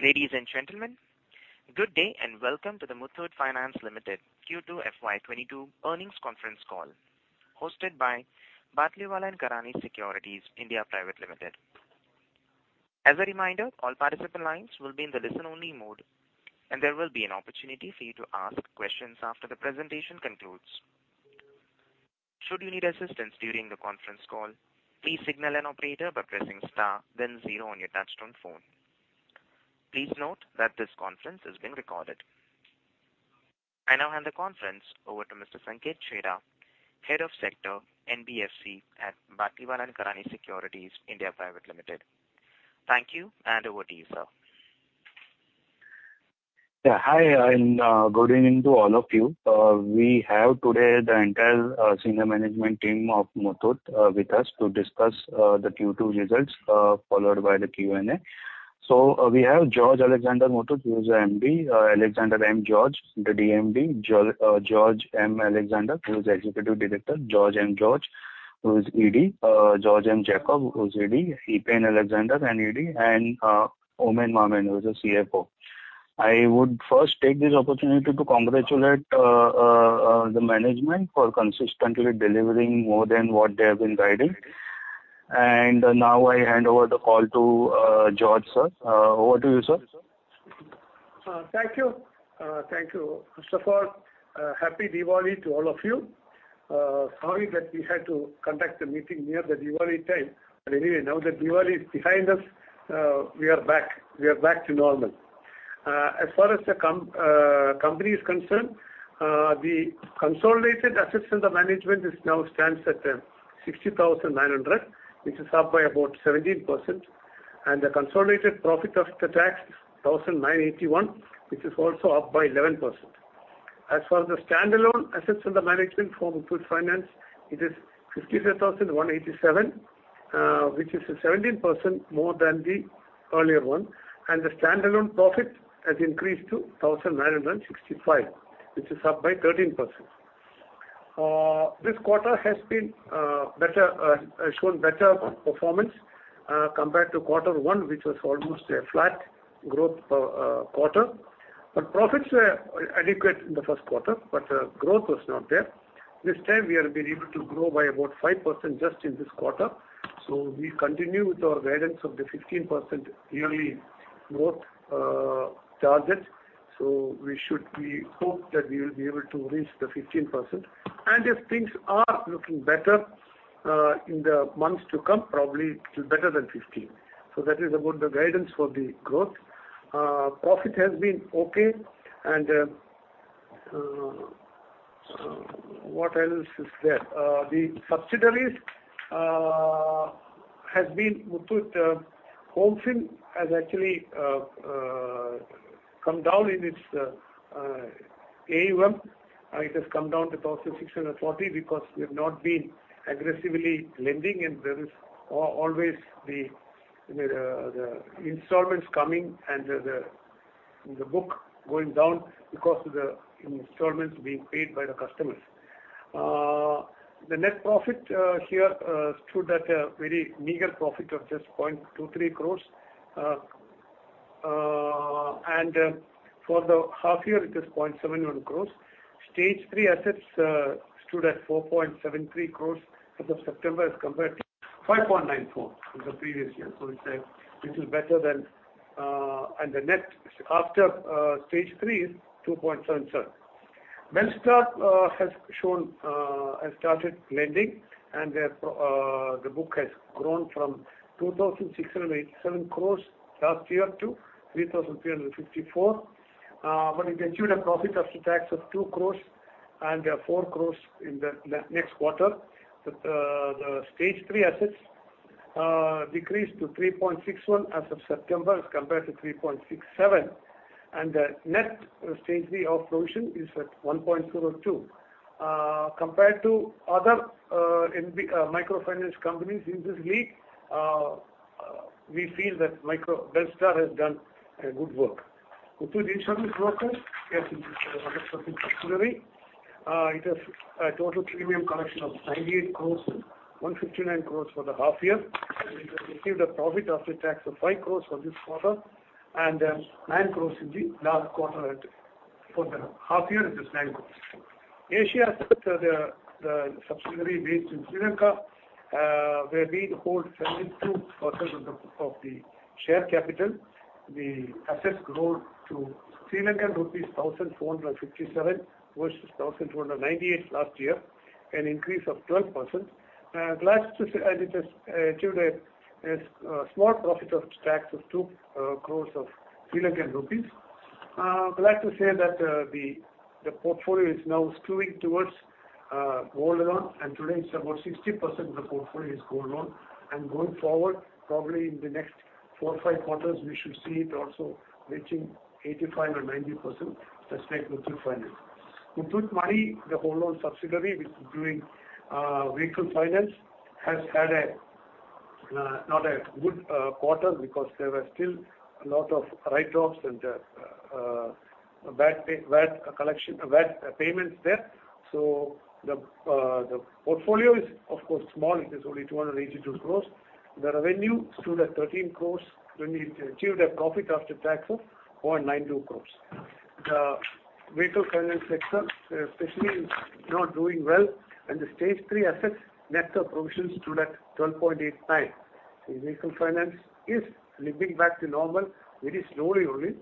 Ladies and gentlemen, good day, and welcome to the Muthoot Finance Limited Q2 FY 2022 earnings conference call, hosted by Batlivala & Karani Securities India Private Limited. As a reminder, all participant lines will be in the listen-only mode, and there will be an opportunity for you to ask questions after the presentation concludes. Should you need assistance during the conference call, please signal an operator by pressing star then zero on your touchtone phone. Please note that this conference is being recorded. I now hand the conference over to Mr. Sanket Sheth, Head of Sector NBFC at Batlivala and Karani Securities India Private Limited. Thank you, and over to you, sir. Hi and good evening to all of you. We have today the entire senior management team of Muthoot with us to discuss the Q2 results followed by the Q&A. We have George Alexander Muthoot, who's MD, George M. Alexander, the DMD, George M. Alexander, who's Executive Director, George M. George, who is ED, George Muthoot Jacob, who's ED, Eapen Alexander Muthoot, an ED, and Oommen Mammen, who's the CFO. I would first take this opportunity to congratulate the management for consistently delivering more than what they have been guiding. Now, I hand over the call to George, sir. Over to you, sir. Thank you. Thank you. First of all, happy Diwali to all of you. Sorry that we had to conduct the meeting near the Diwali time. Anyway, now that Diwali is behind us, we are back to normal. As far as the company is concerned, the consolidated assets under management is now stands at 60,900, which is up by about 17%. The consolidated profit after tax 9,981, which is also up by 11%. As far as the standalone assets under management for Muthoot Finance, it is 53,187, which is 17% more than the earlier one. The standalone profit has increased to 9,965, which is up by 13%. This quarter has shown better performance compared to quarter one which was almost a flat growth quarter. Profits were adequate in the first quarter, but growth was not there. This time we have been able to grow by about 5% just in this quarter. We continue with our guidance of the 15% yearly growth target. We hope that we will be able to reach the 15%. If things are looking better in the months to come, probably it will be better than 15%. That is about the guidance for the growth. Profit has been okay. What else is there? The subsidiaries, Muthoot Homefin has actually come down in its AUM. It has come down to 1,640 crore because we've not been aggressively lending, and there is always the installments coming and the book going down because of the installments being paid by the customers. The net profit here stood at a very meager profit of just 0.23 crores. For the half year, it is 0.71 crores. Stage three assets stood at 4.73 crores as of September as compared to 5.94 crores in the previous year. It's a little better than, and the net after stage three is 2.77 crores. Belstar Microfinance has started lending, and the book has grown from 2,687 crores last year to 3,354 crores. But it has showed a profit after tax of 2 crores and 4 crores in the next quarter. The stage three assets decreased to 3.61% as of September as compared to 3.67%. The net stage three of provision is at 1.02%. Compared to other microfinance companies in this league, we feel that Belstar has done a good work. Muthoot Insurance Brokers, yes, it is a 100% subsidiary. It has a total premium collection of 98 crores, 159 crores for the half year. It has received a profit after tax of 5 crores for this quarter and 9 crores in the last quarter. For the half year it is 9 crores. Asia Asset Finance, the subsidiary based in Sri Lanka, where we hold 72% of the share capital. The assets grow to LKR 1,457 versus 1,498 last year, an increase of 12%. Glad to say it has achieved a small profit after tax of LKR 2 crores. Glad to say that the portfolio is now skewing towards gold loan, and today it's about 60% of the portfolio is gold loan. Going forward, probably in the next 4 or 5 quarters, we should see it also reaching 85% or 90% just like Muthoot Finance. Muthoot Money, the wholly owned subsidiary which is doing vehicle finance, has not had a good quarter because there were still a lot of write-offs and a bad collection, bad payments there. The portfolio is of course small. It is only 282 crores. The revenue stood at 13 crores when we achieved a profit after tax of 0.92 crores. The vehicle finance sector especially is not doing well, and the stage three assets net of provisions stood at 12.89%. The vehicle finance is limping back to normal very slowly only.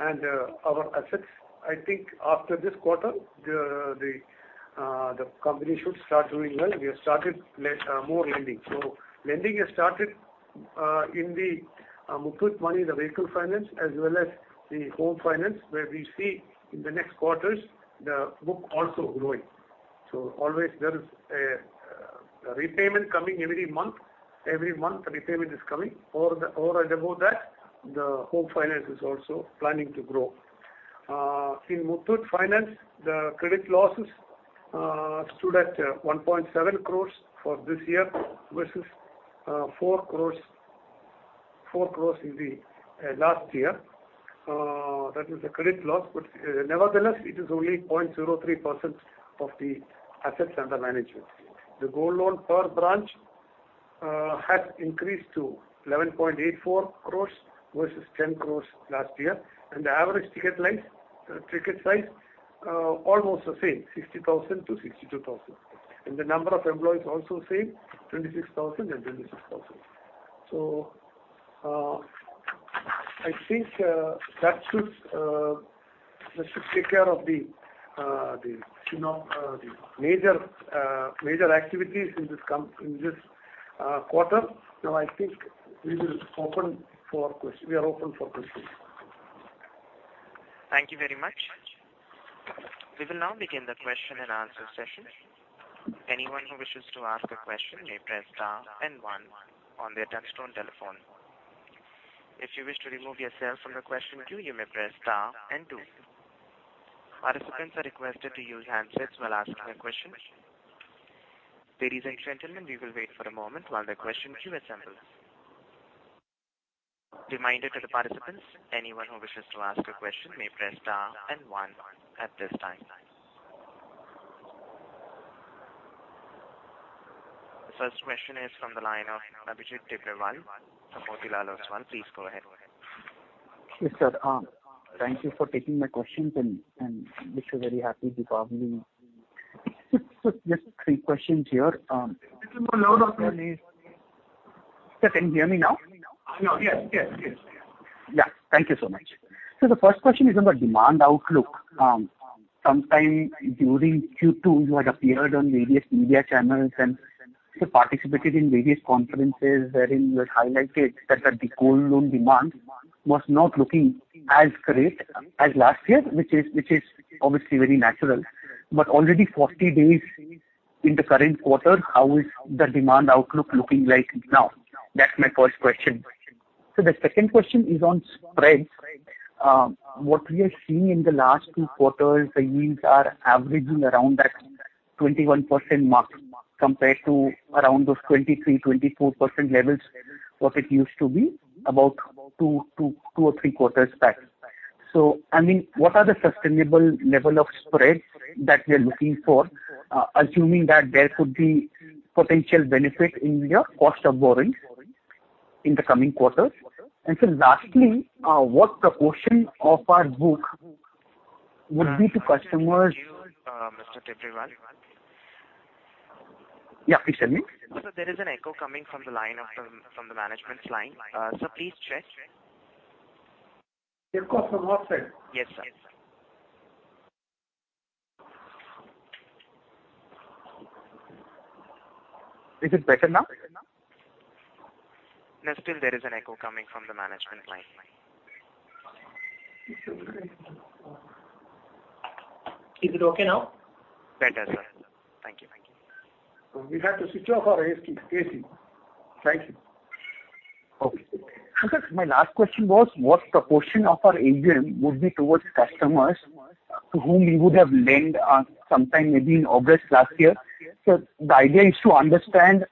Our assets, I think after this quarter, the company should start doing well. We have started more lending. Lending has started in Muthoot Money, the vehicle finance as well as the home finance, where we see in the next quarters the book also growing. Always there is a repayment coming every month. Every month, the repayment is coming. Over and above that, the home finance is also planning to grow. In Muthoot Finance, the credit losses stood at 1.7 crore for this year versus 4 crore in the last year. That is the credit loss. Nevertheless, it is only 0.03% of the assets under management. The gold loan per branch has increased to 11.84 crores versus 10 crores last year. The average ticket size almost the same, 60,000-62,000. The number of employees also same, 26,000 and 26,000. I think that should take care of the you know, the major activities in this quarter. Now, I think we are open for questions. The first question is from the line of Abhijit Tibrewal from Motilal Oswal. Please go ahead. Yes, sir. Thank you for taking my questions, and wish a very happy Deepavali. Just three questions here, little more louder, please. Sir, can you hear me now? Now, yes. Yes, yes. Yeah. Thank you so much. The first question is on the demand outlook. Sometime during Q2, you had appeared on various media channels and participated in various conferences wherein you had highlighted that the gold loan demand was not looking as great as last year, which is obviously very natural. But already 40 days in the current quarter, how is the demand outlook looking like now? That's my first question. The second question is on spreads. What we are seeing in the last two quarters, the yields are averaging around that 21% mark compared to around those 23%-24% levels that it used to be about two or three quarters back. I mean, what are the sustainable level of spreads that we are looking for, assuming that there could be potential benefit in your cost of borrowings in the coming quarters? Sir, lastly, what proportion of our book would be to customers- Excuse me, Mr. Abhijit Tibrewal. Yeah, please tell me. Sir, there is an echo coming from the management's line. So please check. Echo from what side? Yes, sir. Is it better now? No, still there is an echo coming from the management line. Is it okay now? Better, sir. Thank you. We had to switch off our AC. Thank you. Okay. Sir, my last question was, what proportion of our AUM would be towards customers to whom you would have lent sometime maybe in August last year? The idea is to understand,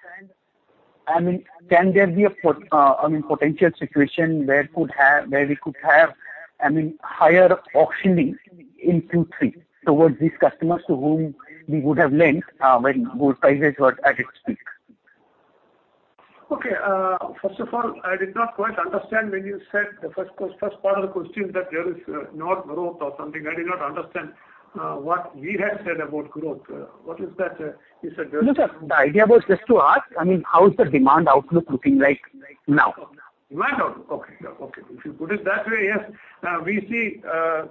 I mean, can there be a potential situation where we could have higher auctioning in Q3 towards these customers to whom we would have lent when gold prices were at its peak? Okay. First of all, I did not quite understand when you said the first part of the question that there is no growth or something. I did not understand what we had said about growth. What is that you said there is- No, sir. The idea was just to ask, I mean, how is the demand outlook looking like now? Demand outlook. Okay. Yeah, okay. If you put it that way, yes, we see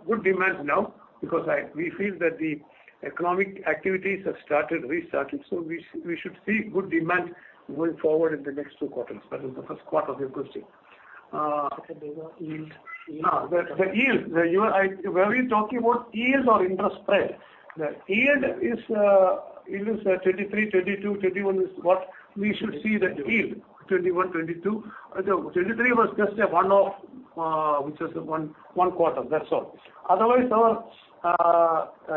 good demand now because we feel that the economic activities have started restarting, so we should see good demand going forward in the next two quarters. That is the first part of your question. Okay. There is a yield. Were you talking about yields or interest spread? The yield is 23%, 22%, 21% is what we should see the yield. Twenty-one. 21%, 22%. The 23% was just a one-off, which was a one quarter, that's all. Otherwise, our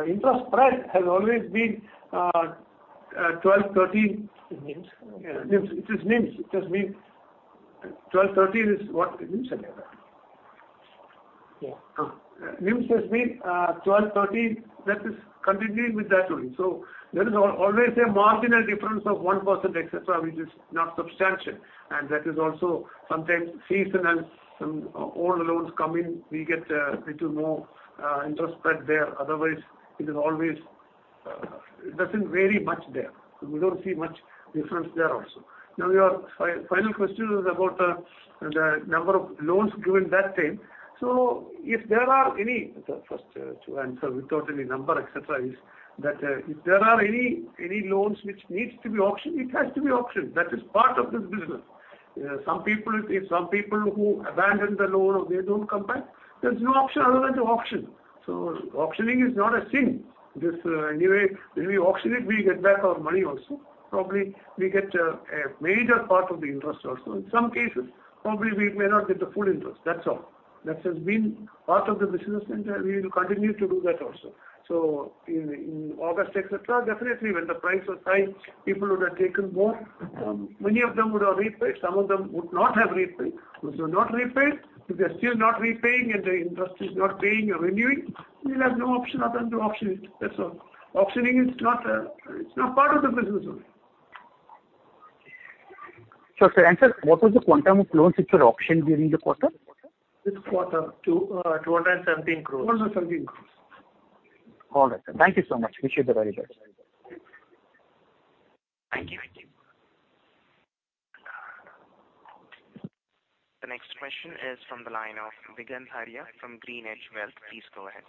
interest spread has always been 12%-13%. It means. Yeah. It means. It just means 12%, 13% is what? Yeah. This has been 12%-13%, that is continuing with that only. There is always a marginal difference of 1%, et cetera, which is not substantial. That is also sometimes seasonal. Some old loans come in, we get a little more interest spread there. Otherwise, it is always. It doesn't vary much there. We don't see much difference there also. Now your final question is about the number of loans given that time. If there are any, first, to answer without any number et cetera, is that, if there are any loans which needs to be auctioned, it has to be auctioned. That is part of this business. Some people who abandon the loan or they don't come back, there's no option other than to auction. Auctioning is not a sin. This, anyway, when we auction it, we get back our money also. Probably we get a major part of the interest also. In some cases, probably we may not get the full interest. That's all. That has been part of the business and we will continue to do that also. In August, et cetera, definitely when the price was high, people would have taken more. Many of them would have repaid, some of them would not have repaid. Those who have not repaid, if they're still not repaying and the interest is not paying or renewing, we'll have no option other than to auction it. That's all. Auctioning is not, it's now part of the business only. Sir, and sir, what was the quantum of loans which were auctioned during the quarter? This quarter. Two, uh, two hundred and seventeen crores. Two hundred and seventeen crores. All right, sir. Thank you so much. Wish you the very best. Thank you. The next question is from the line of Vighnesh Arya from GreenEdge Wealth. Please go ahead.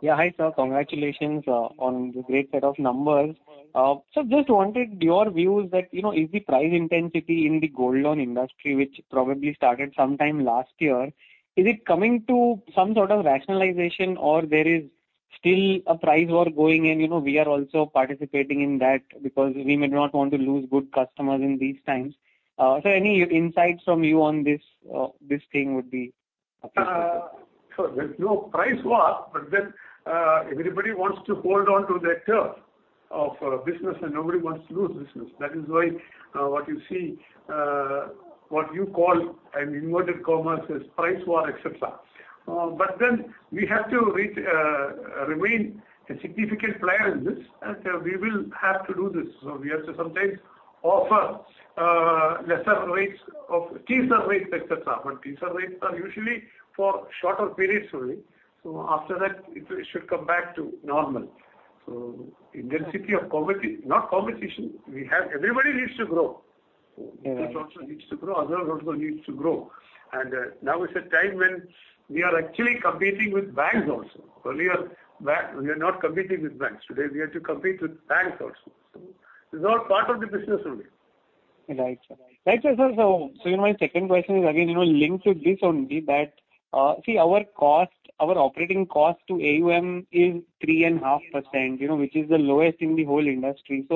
Yeah. Hi, sir. Congratulations on the great set of numbers. So just wanted your views that, you know, is the price intensity in the gold loan industry, which probably started sometime last year, is it coming to some sort of rationalization or there is still a price war going in? You know, we are also participating in that because we may not want to lose good customers in these times. So any insights from you on this thing would be appreciated. There's no price war, but then, everybody wants to hold on to their turf of business, and nobody wants to lose business. That is why, what you see, what you call an inverted commas is price war, et cetera. We have to remain a significant player in this, and we will have to do this. We have to sometimes offer, lesser rates of teaser rates, et cetera. Teaser rates are usually for shorter periods only. After that it should come back to normal. Intensity of competition, not competition. Everybody needs to grow. This also needs to grow, other also needs to grow. Now is a time when we are actually competing with banks also. Earlier, we are not competing with banks. Today, we have to compete with banks also. It's all part of the business only. Right, sir. My second question is again, you know, linked with this only that, see our cost, our operating cost to AUM is 3.5%, you know, which is the lowest in the whole industry.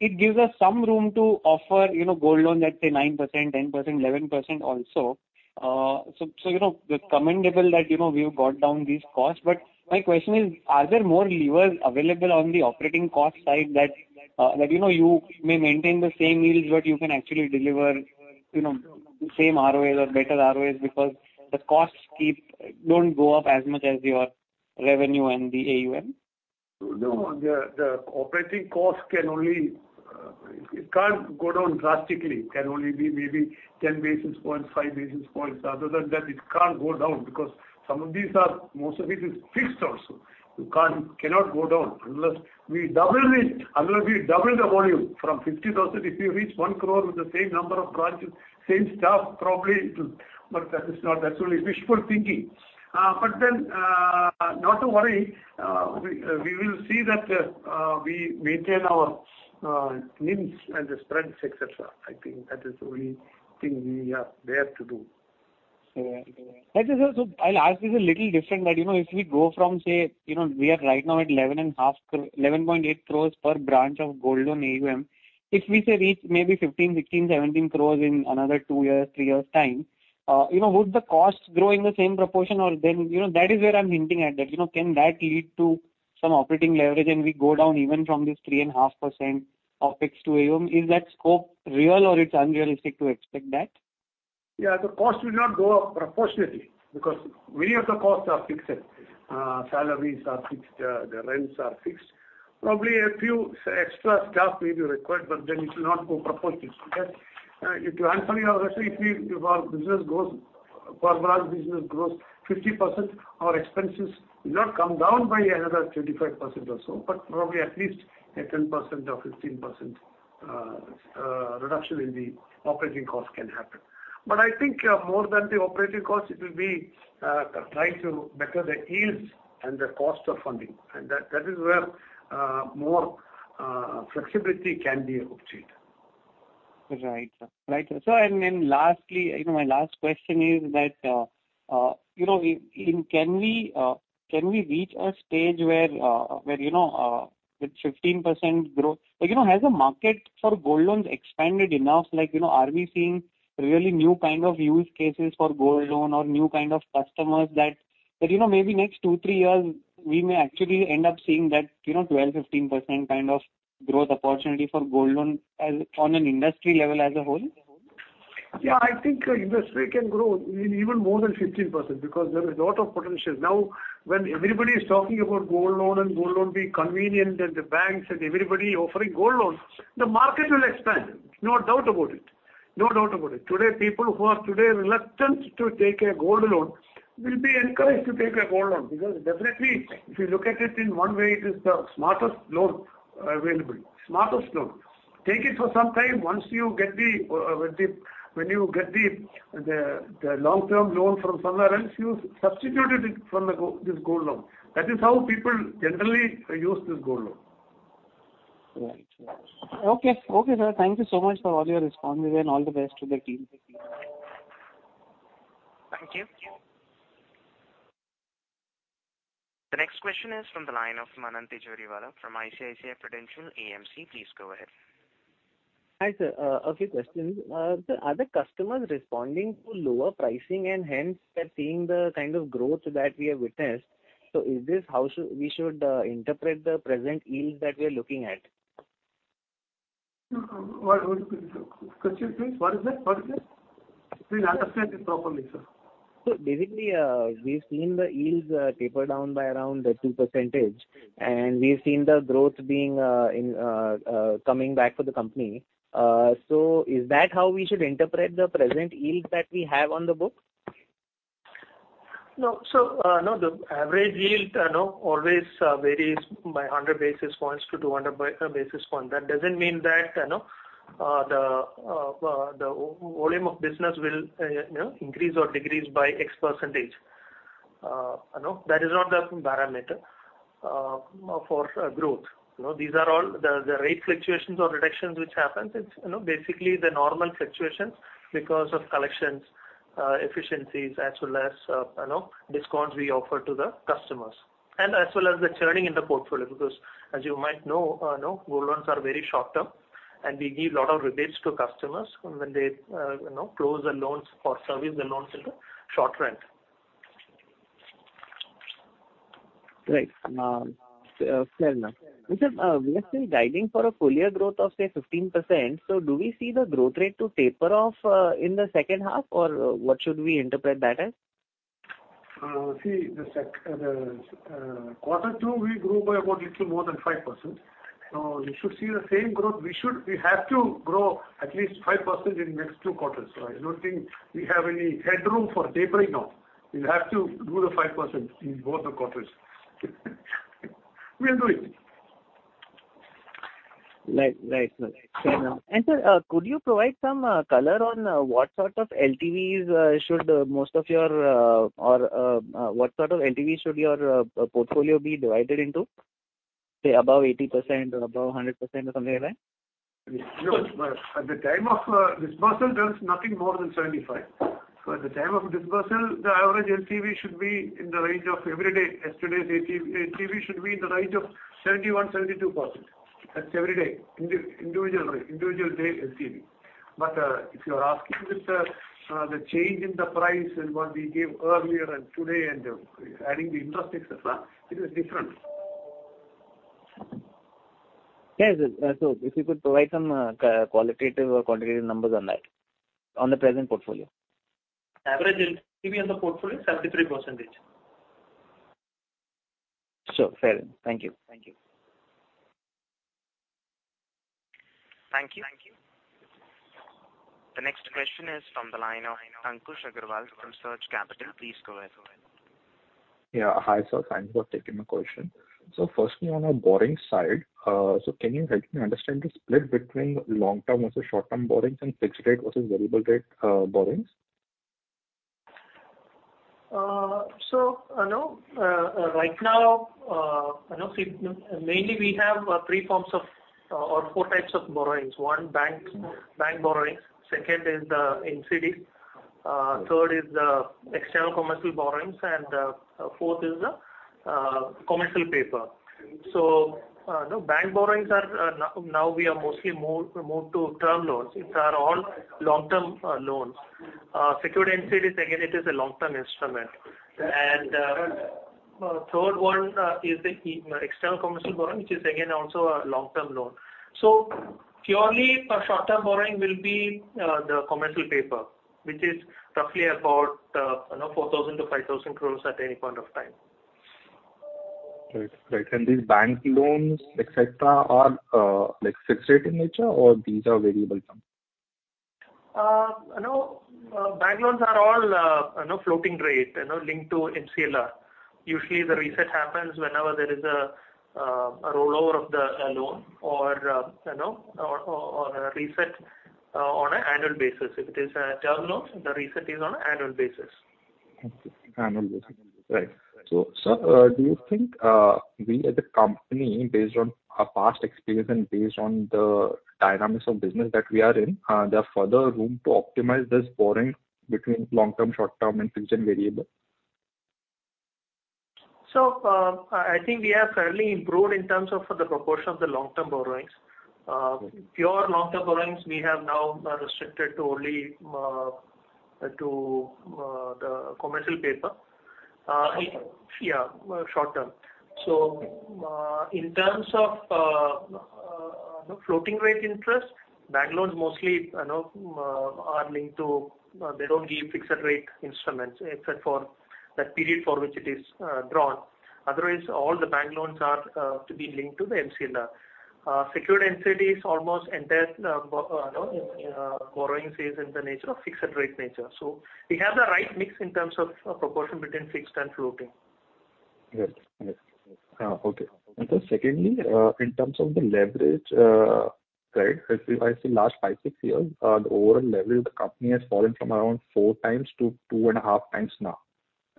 It gives us some room to offer, you know, gold loan let's say 9%, 10%, 11% also. You know, it's commendable that, you know, we have got down these costs. My question is, are there more levers available on the operating cost side that you know, you may maintain the same yields, but you can actually deliver, you know, same ROAs or better ROAs because the costs don't go up as much as your revenue and the AUM. No, it can't go down drastically. It can only be maybe 10 basis points, 5 basis points. Other than that, it can't go down because most of it is fixed also. It cannot go down unless we double the volume from 50,000, if we reach 1 crore with the same number of branches, same staff, probably it will. That's only wishful thinking. Not to worry, we will see that we maintain our NIMs and the spreads, etc. I think that is the only thing we are there to do. Right, sir. I'll ask this a little differently, that, you know, if we go from, say, you know, we are right now at 11.8 crores per branch of gold loan AUM. If we, say, reach maybe 15, 16, 17 crores in another two years, three years' time, you know, would the costs grow in the same proportion or, then, you know, that is where I'm hinting at that. You know, can that lead to some operating leverage and we go down even from this 3.5% OpEx to AUM? Is that scope real or it's unrealistic to expect that? Yeah, the cost will not go up proportionately because many of the costs are fixed. Salaries are fixed, the rents are fixed. Probably a few extra staff may be required, but then it will not go proportionate to that. If to answer your question, if our business grows, per branch business grows 50% our expenses will not come down by another 35% or so, but probably at least a 10% or 15%, reduction in the operating cost can happen. But I think, more than the operating cost, it will be, trying to better the yields and the cost of funding. That is where, more flexibility can be achieved. Right, sir. Lastly, you know, my last question is that, you know, can we reach a stage where, you know, with 15% growth, you know, has the market for gold loans expanded enough? Like, you know, are we seeing really new kind of use cases for gold loan or new kind of customers that- You know, maybe next two-three years, we may actually end up seeing that, you know, 12%-15% kind of growth opportunity for gold loan as an industry level as a whole. Yeah, I think industry can grow even more than 15% because there is a lot of potential. Now, when everybody is talking about gold loan and gold loan being convenient, and the banks and everybody offering gold loans, the market will expand. No doubt about it. No doubt about it. Today, people who are today reluctant to take a gold loan will be encouraged to take a gold loan because definitely, if you look at it in one way, it is the smartest loan available. Smartest loan. Take it for some time. Once you get the, when you get the long-term loan from somewhere else, you substitute it from the gold, this gold loan. That is how people generally use this gold loan. Right. Okay, sir. Thank you so much for all your responses and all the best to the team. Thank you. The next question is from the line of Manan Tijoriwala from ICICI Prudential AMC. Please go ahead. Hi, sir. A few questions. Sir, are the customers responding to lower pricing and hence we're seeing the kind of growth that we have witnessed? Is this how we should interpret the present yield that we are looking at? Number one question. Could you please? What is that? Please understand it properly, sir. Basically, we've seen the yields taper down by around 2%, and we've seen the growth coming back for the company. Is that how we should interpret the present yield that we have on the books? No, the average yield you know always varies by 100 basis points to 200 basis points. That doesn't mean that you know the volume of business will you know increase or decrease by X%. You know that is not the parameter for growth. You know these are all the rate fluctuations or reductions which happens. It's you know basically the normal fluctuations because of collections efficiencies as well as you know discounts we offer to the customers and as well as the churning in the portfolio because as you might know you know gold loans are very short-term and we give lot of rebates to customers when they you know close the loans or service the loans in the short run. Right. Fair enough. Sir, we are still guiding for a full year growth of, say, 15%. Do we see the growth rate to taper off in the second half, or what should we interpret that as? Quarter two, we grew by a little more than 5%. You should see the same growth. We have to grow at least 5% in the next two quarters. I don't think we have any headroom for tapering now. We have to do the 5% in both the quarters. We'll do it. Right, sir. Fair enough. Sir, could you provide some color on what sort of LTV should your portfolio be divided into? Say above 80% or above 100% or something like that? No. At the time of dispersal, there is nothing more than 75%. At the time of dispersal, the average LTV should be in the range of 70-75 every day. Yesterday's LTV should be in the range of 71%-72%. That's every day. Individual day LTV. If you're asking with the change in the price and what we gave earlier and today and adding the interest, et cetera, it is different. Yes, sir. If you could provide some qualitative or quantitative numbers on that, on the present portfolio. Average LTV on the portfolio is 73%. Sure. Fair enough. Thank you. Thank you. The next question is from the line of Ankush Agarwal from Surge Capital. Please go ahead. Yeah. Hi, sir. Thanks for taking the question. Firstly on a borrowing side, so can you help me understand the split between long-term versus short-term borrowings and fixed rate versus variable rate, borrowings? You know, right now, you know, see, mainly we have three forms of or four types of borrowings. One, bank borrowings. Second is the NCDs. Third is the external commercial borrowings. Fourth is the commercial paper. No, bank borrowings are now we are mostly more to term loans. These are all long-term loans. Secured NCDs, again, it is a long-term instrument. Third one is the external commercial borrowing, which is again also a long-term loan. Purely a short-term borrowing will be the commercial paper, which is roughly about, you know, 4,000 crore-5,000 crore at any point of time. Right. These bank loans, et cetera, are like fixed rate in nature or these are variable some? You know, bank loans are all, you know, floating rate, you know, linked to MCLR. Usually the reset happens whenever there is a rollover of the loan or, you know, or a reset on an annual basis. If it is a term loans, the reset is on an annual basis. Annual basis. Right. Sir, do you think we as a company based on our past experience and based on the dynamics of business that we are in, are there further room to optimize this borrowing between long-term, short-term and fixed and variable? I think we have fairly improved in terms of the proportion of the long-term borrowings. Pure long-term borrowings, we have now restricted only to the commercial paper. Okay. Yeah, short-term. In terms of floating rate interest, bank loans mostly, you know, are linked to. They don't give fixed rate instruments except for that period for which it is drawn. Otherwise, all the bank loans are to be linked to the MCLR. Secured NCDs almost entire, you know, borrowings is in the nature of fixed rate nature. We have the right mix in terms of proportion between fixed and floating. Yes. Secondly, in terms of the leverage, right, if we see last five, six years, the overall leverage the company has fallen from around four times to two and a half times now,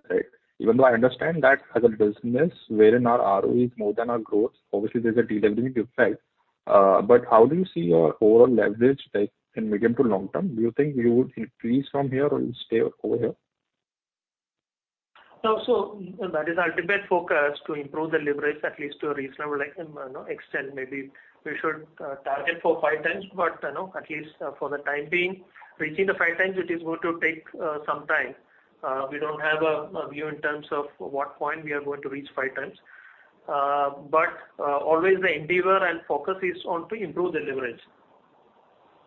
right? Even though I understand that as a business wherein our ROE is more than our growth, obviously there's a de-leveraging effect. How do you see your overall leverage, like in medium to long term? Do you think you would increase from here or you stay over here? No. That is the ultimate focus to improve the leverage at least to a reasonable, like, you know, extent. Maybe we should target for five times. You know, at least for the time being, reaching the five times, it is going to take some time. We don't have a view in terms of what point we are going to reach five times. Always the endeavor and focus is on to improve the leverage.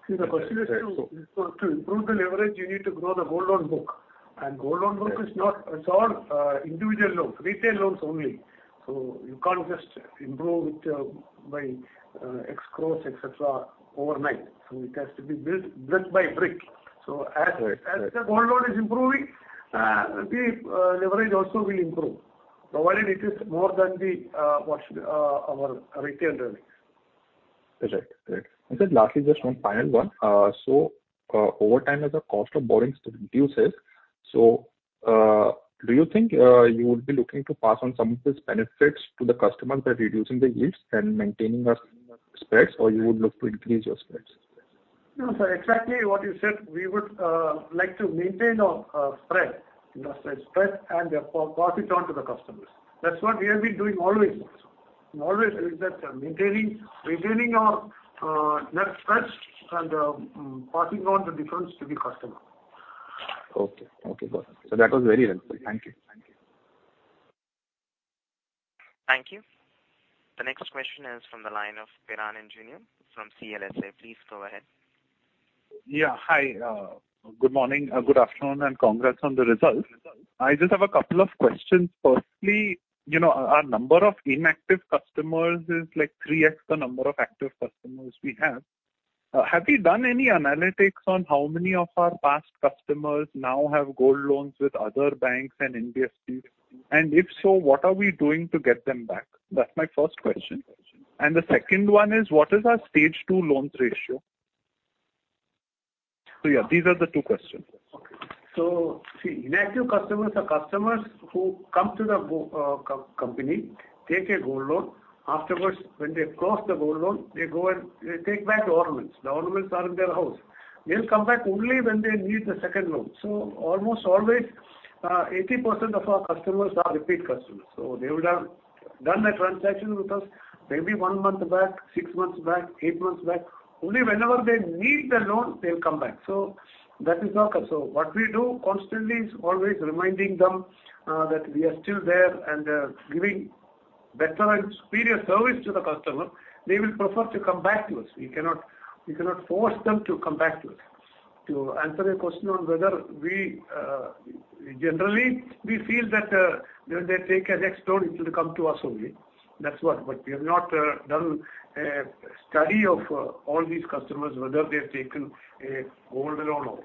Right. Right. See, the question is to improve the leverage, you need to grow the gold loan book. Gold loan book is not- Right. It's all individual loans, retail loans only. You can't just improve it by X crores, et cetera, overnight. It has to be built brick by brick. Right. Right. As the gold loan is improving, the leverage also will improve, provided it is more than the what should our retail earnings. That's right. Great. Then lastly, just one final one. Over time as the cost of borrowings reduces, do you think you would be looking to pass on some of these benefits to the customers by reducing the yields and maintaining your spreads or you would look to increase your spreads? No, sir. Exactly what you said. We would like to maintain our industry spread and therefore pass it on to the customers. That's what we have been doing always, maintaining our net spreads and passing on the difference to the customer. Okay. Okay, got it. That was very helpful. Thank you. Thank you. The next question is from the line of Piran Engineer from CLSA. Please go ahead. Yeah. Hi. Good morning, good afternoon, and congrats on the results. I just have a couple of questions. Firstly, you know, our number of inactive customers is like 3x the number of active customers we have. Have you done any analytics on how many of our past customers now have gold loans with other banks and NBFCs? And if so, what are we doing to get them back? That's my first question. And the second one is what is our stage two loans ratio? Yeah, these are the two questions. Okay. See, inactive customers are customers who come to the company, take a gold loan. Afterwards, when they close the gold loan, they go and they take back the ornaments. The ornaments are in their house. They will come back only when they need the second loan. Almost always, 80% of our customers are repeat customers. They would have done a transaction with us maybe one month back, six months back, eight months back. Only whenever they need the loan, they will come back. That is our. What we do constantly is always reminding them that we are still there and giving better and superior service to the customer. They will prefer to come back to us. We cannot force them to come back to us. To answer your question on whether we. Generally, we feel that when they take a next loan, it will come to us only. That's what. We have not done a study of all these customers whether they have taken a gold loan or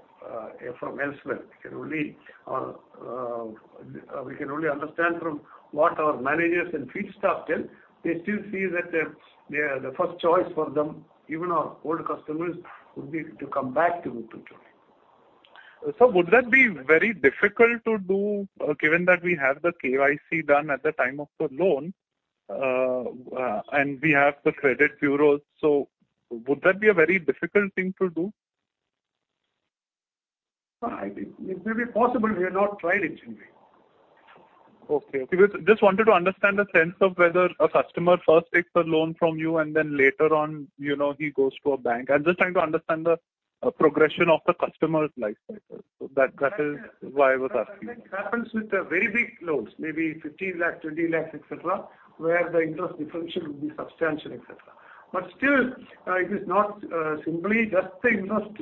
from elsewhere. We can only understand from what our managers and field staff tell. They still feel that they are the first choice for them, even our old customers would be to come back to Muthoot Finance. Would that be very difficult to do, given that we have the KYC done at the time of the loan, and we have the credit bureaus? Would that be a very difficult thing to do? No, I think it will be possible. We have not tried it anyway. Okay. Just wanted to understand the sense of whether a customer first takes a loan from you and then later on, you know, he goes to a bank. I'm just trying to understand the progression of the customer's life cycle. That is why I was asking. That happens with the very big loans, maybe 15 lakh, 20 lakh, et cetera, where the interest differential will be substantial, et cetera. Still, it is not simply just the interest,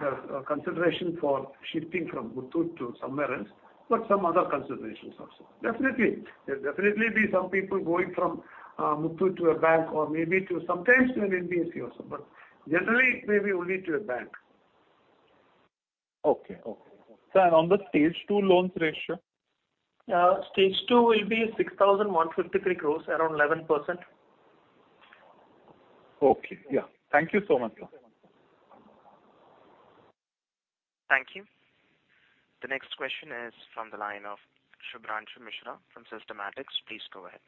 the consideration for shifting from Muthoot to somewhere else, but some other considerations also. Definitely. There'll definitely be some people going from Muthoot to a bank or maybe to sometimes to an NBFC also. Generally, maybe only to a bank. Okay. Sir, on the stage two loans ratio? Stage two will be 6,153 crores, around 11%. Okay. Yeah. Thank you so much. Thank you. The next question is from the line of Shubhranshu Mishra from Systematix. Please go ahead.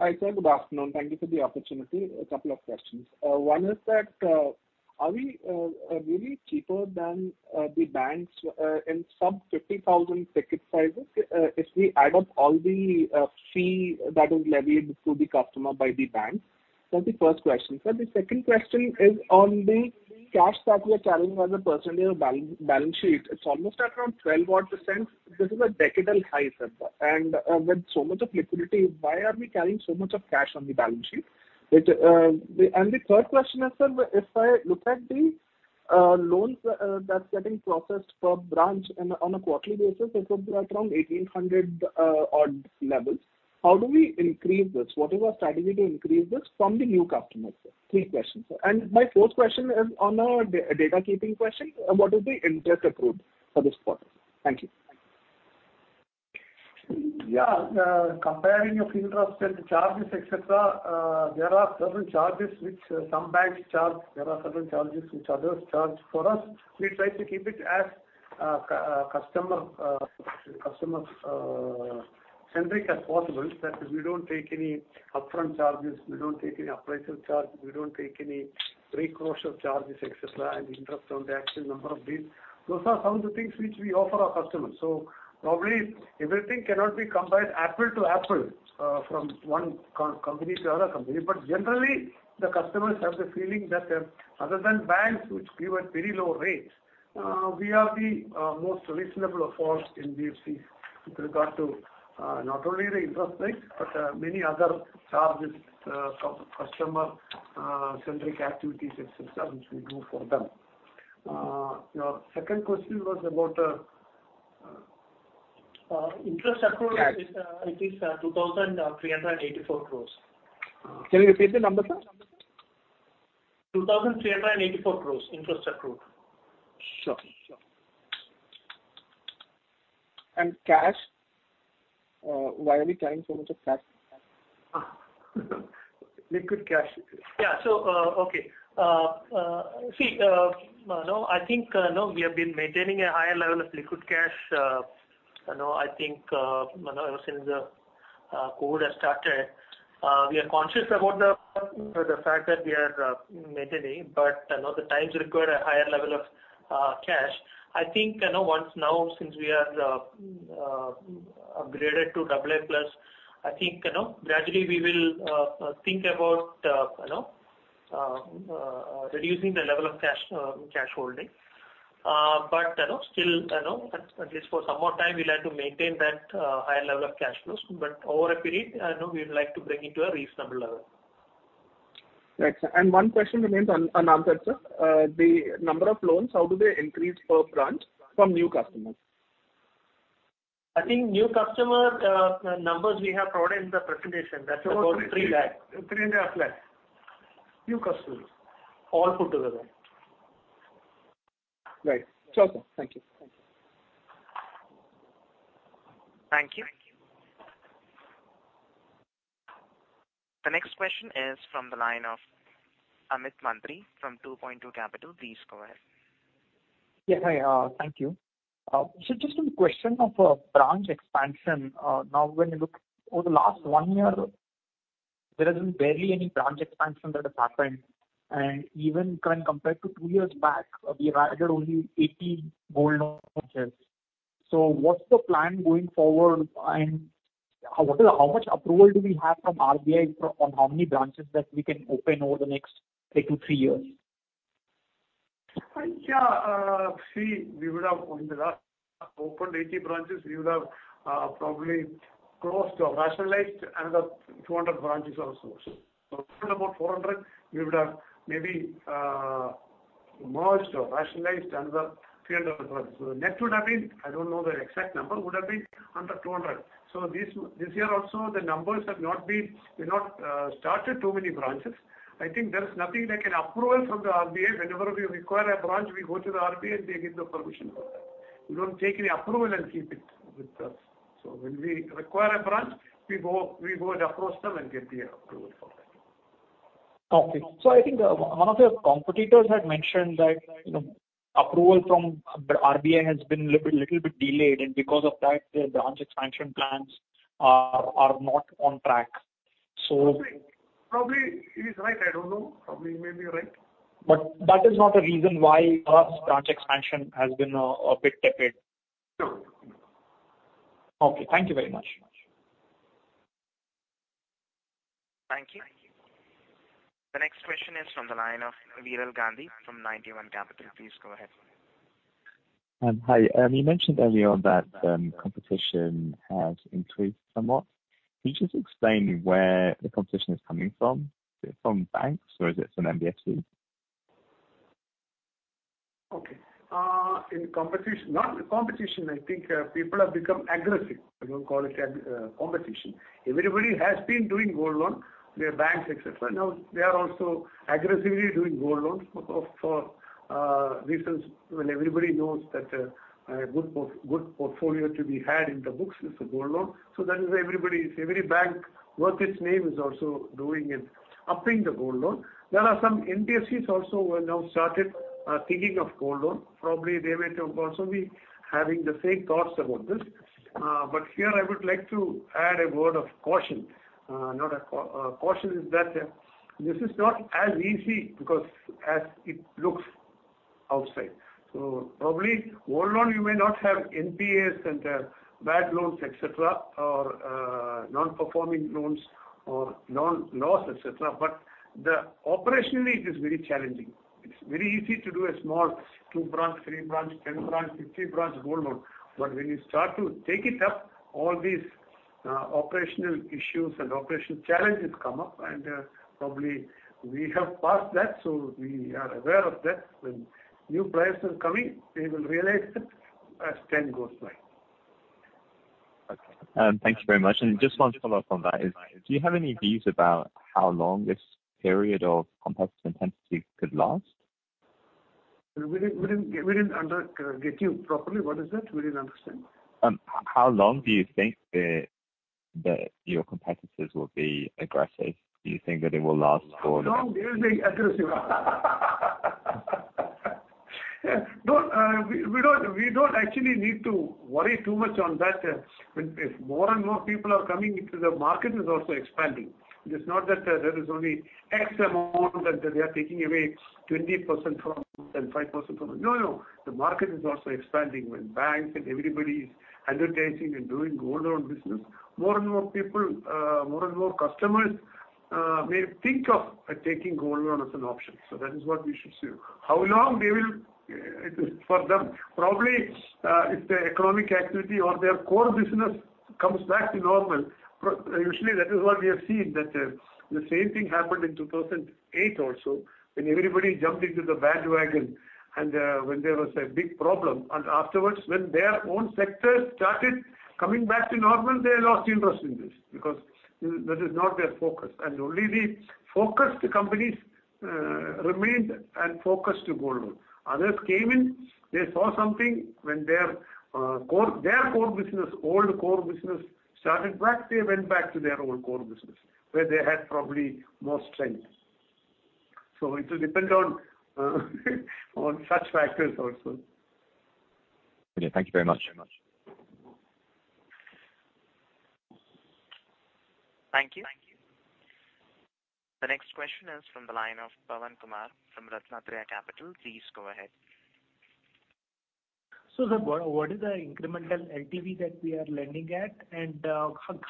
Hi, sir. Good afternoon. Thank you for the opportunity. A couple of questions. One is that, are we really cheaper than the banks in some 50,000 ticket sizes, if we add up all the fee that is levied to the customer by the bank? That's the first question. Sir, the second question is on the cash that we are carrying as a percentage of balance sheet. It's almost around 12%. This is a decadal high, sir. With so much of liquidity, why are we carrying so much of cash on the balance sheet? The third question is, sir, if I look at the loans that's getting processed per branch on a quarterly basis, it's around 1,800 odd levels. How do we increase this? What is our strategy to increase this from the new customers, sir? Three questions, sir. My fourth question is on our data keeping question. What is the interest accrued for this quarter? Thank you. Yeah, comparing of interest and charges, et cetera, there are certain charges which some banks charge. There are certain charges which others charge. For us, we try to keep it as customer centric as possible, that we don't take any upfront charges, we don't take any appraisal charges, we don't take any pre-closure charges, et cetera, and interest on the actual number of days. Those are some of the things which we offer our customers. Probably everything cannot be compared apple to apple, from one company to other company. Generally, the customers have the feeling that, other than banks which give a very low rate, we are the most reasonable of all NBFCs with regard to not only the interest rate, but many other charges for customer centric activities, et cetera, which we do for them. Your second question was about, Interest accrued. Cash. It is, uh, 2,384 crores. Can you repeat the number, sir? 2,384 crores, interest accrued. Sure. Cash, why are we carrying so much of cash? Liquid cash. Yeah. So, okay. I think we have been maintaining a higher level of liquid cash, you know, I think, you know, ever since COVID has started. We are conscious about the fact that we are maintaining, but you know, the times require a higher level of cash. I think, you know, once now, since we are upgraded to AA+, I think, you know, gradually we will think about, you know, reducing the level of cash holding. You know, still, you know, at least for some more time, we'll have to maintain that higher level of cash flows. Over a period, you know, we would like to bring it to a reasonable level. Right. One question remains unanswered, sir. The number of loans, how do they increase per branch from new customers? I think new customer numbers we have provided in the presentation. That's about 3 lakh. 3.5 lakh new customers. All put together. Right. It's okay. Thank you. Thank you. The next question is from the line of Amit Mantri from 2Point2 Capital. Please go ahead. Yes. Hi. Thank you. Just on the question of branch expansion, now when you look over the last one year, there isn't barely any branch expansion that has happened. Even when compared to two years back, we've added only 80 gold branches. What's the plan going forward? How much approval do we have from RBI for how many branches that we can open over the next, say, two, three years? See, we would have opened 80 branches in the last year. We would have probably closed or rationalized another 200 branches or so. About 400, we would have maybe merged or rationalized another 300 branches. The net would have been under 200. I don't know the exact number. This year also, the numbers have not been high. We've not started too many branches. I think there is nothing like an approval from the RBI. Whenever we require a branch, we go to the RBI and they give the permission for that. We don't take any approval and keep it with us. When we require a branch, we go and approach them and get the approval for that. Okay. I think one of your competitors had mentioned that, you know, approval from RBI has been little bit delayed, and because of that, their branch expansion plans are not on track. Probably he's right. I don't know. Probably he may be right. That is not a reason why branch expansion has been a bit tepid. No. Okay. Thank you very much. Thank you. The next question is from the line of Viral Gandhi from Ninety One. Please go ahead. Hi. You mentioned earlier that competition has increased somewhat. Can you just explain where the competition is coming from? Is it from banks or is it from NBFCs? I think people have become aggressive. I don't call it competition. Everybody has been doing gold loan, the banks, et cetera. Now they are also aggressively doing gold loans for reasons when everybody knows that a good portfolio to be had in the books is a gold loan. So that is why every bank worth its name is also doing it, upping the gold loan. There are some NBFCs also who have now started thinking of gold loan. Probably they might have also been having the same thoughts about this. Here I would like to add a word of caution. Caution is that this is not as easy as it looks outside. Probably gold loan you may not have NPAs and bad loans, et cetera, or non-performing loans or non-loss, et cetera. Operationally it is very challenging. It's very easy to do a small two branch, three branch, 10 branch, 15 branch gold loan. When you start to take it up, all these operational issues and operational challenges come up and probably we have passed that, so we are aware of that. When new players are coming, they will realize it as time goes by. Okay. Thank you very much. Just one follow-up on that is, do you have any views about how long this period of competitive intensity could last? We didn't get you properly. What is that? We didn't understand. How long do you think your competitors will be aggressive? Do you think that it will last for? How long they will be aggressive? No, we don't actually need to worry too much on that. When more and more people are coming into the market, it is also expanding. It is not that there is only fixed amount that they are taking away 20% from and 5% from. No, no. The market is also expanding. When banks and everybody is advertising and doing gold loan business, more and more people, more and more customers, may think of taking gold loan as an option. So that is what we should see. How long they will, it is for them? Probably, if the economic activity or their core business comes back to normal, usually that is what we have seen. That the same thing happened in 2008 also, when everybody jumped into the bandwagon and when there was a big problem. Afterwards, when their own sectors started coming back to normal, they lost interest in this because that is not their focus. Only the focused companies remained and focused to gold loan. Others came in, they saw something when their core business started back, they went back to their own core business, where they had probably more strength. It will depend on such factors also. Okay, thank you very much. Thank you. The next question is from the line of Pavan Kumar from RatnaTraya Capital. Please go ahead. What is the incremental LTV that we are lending at?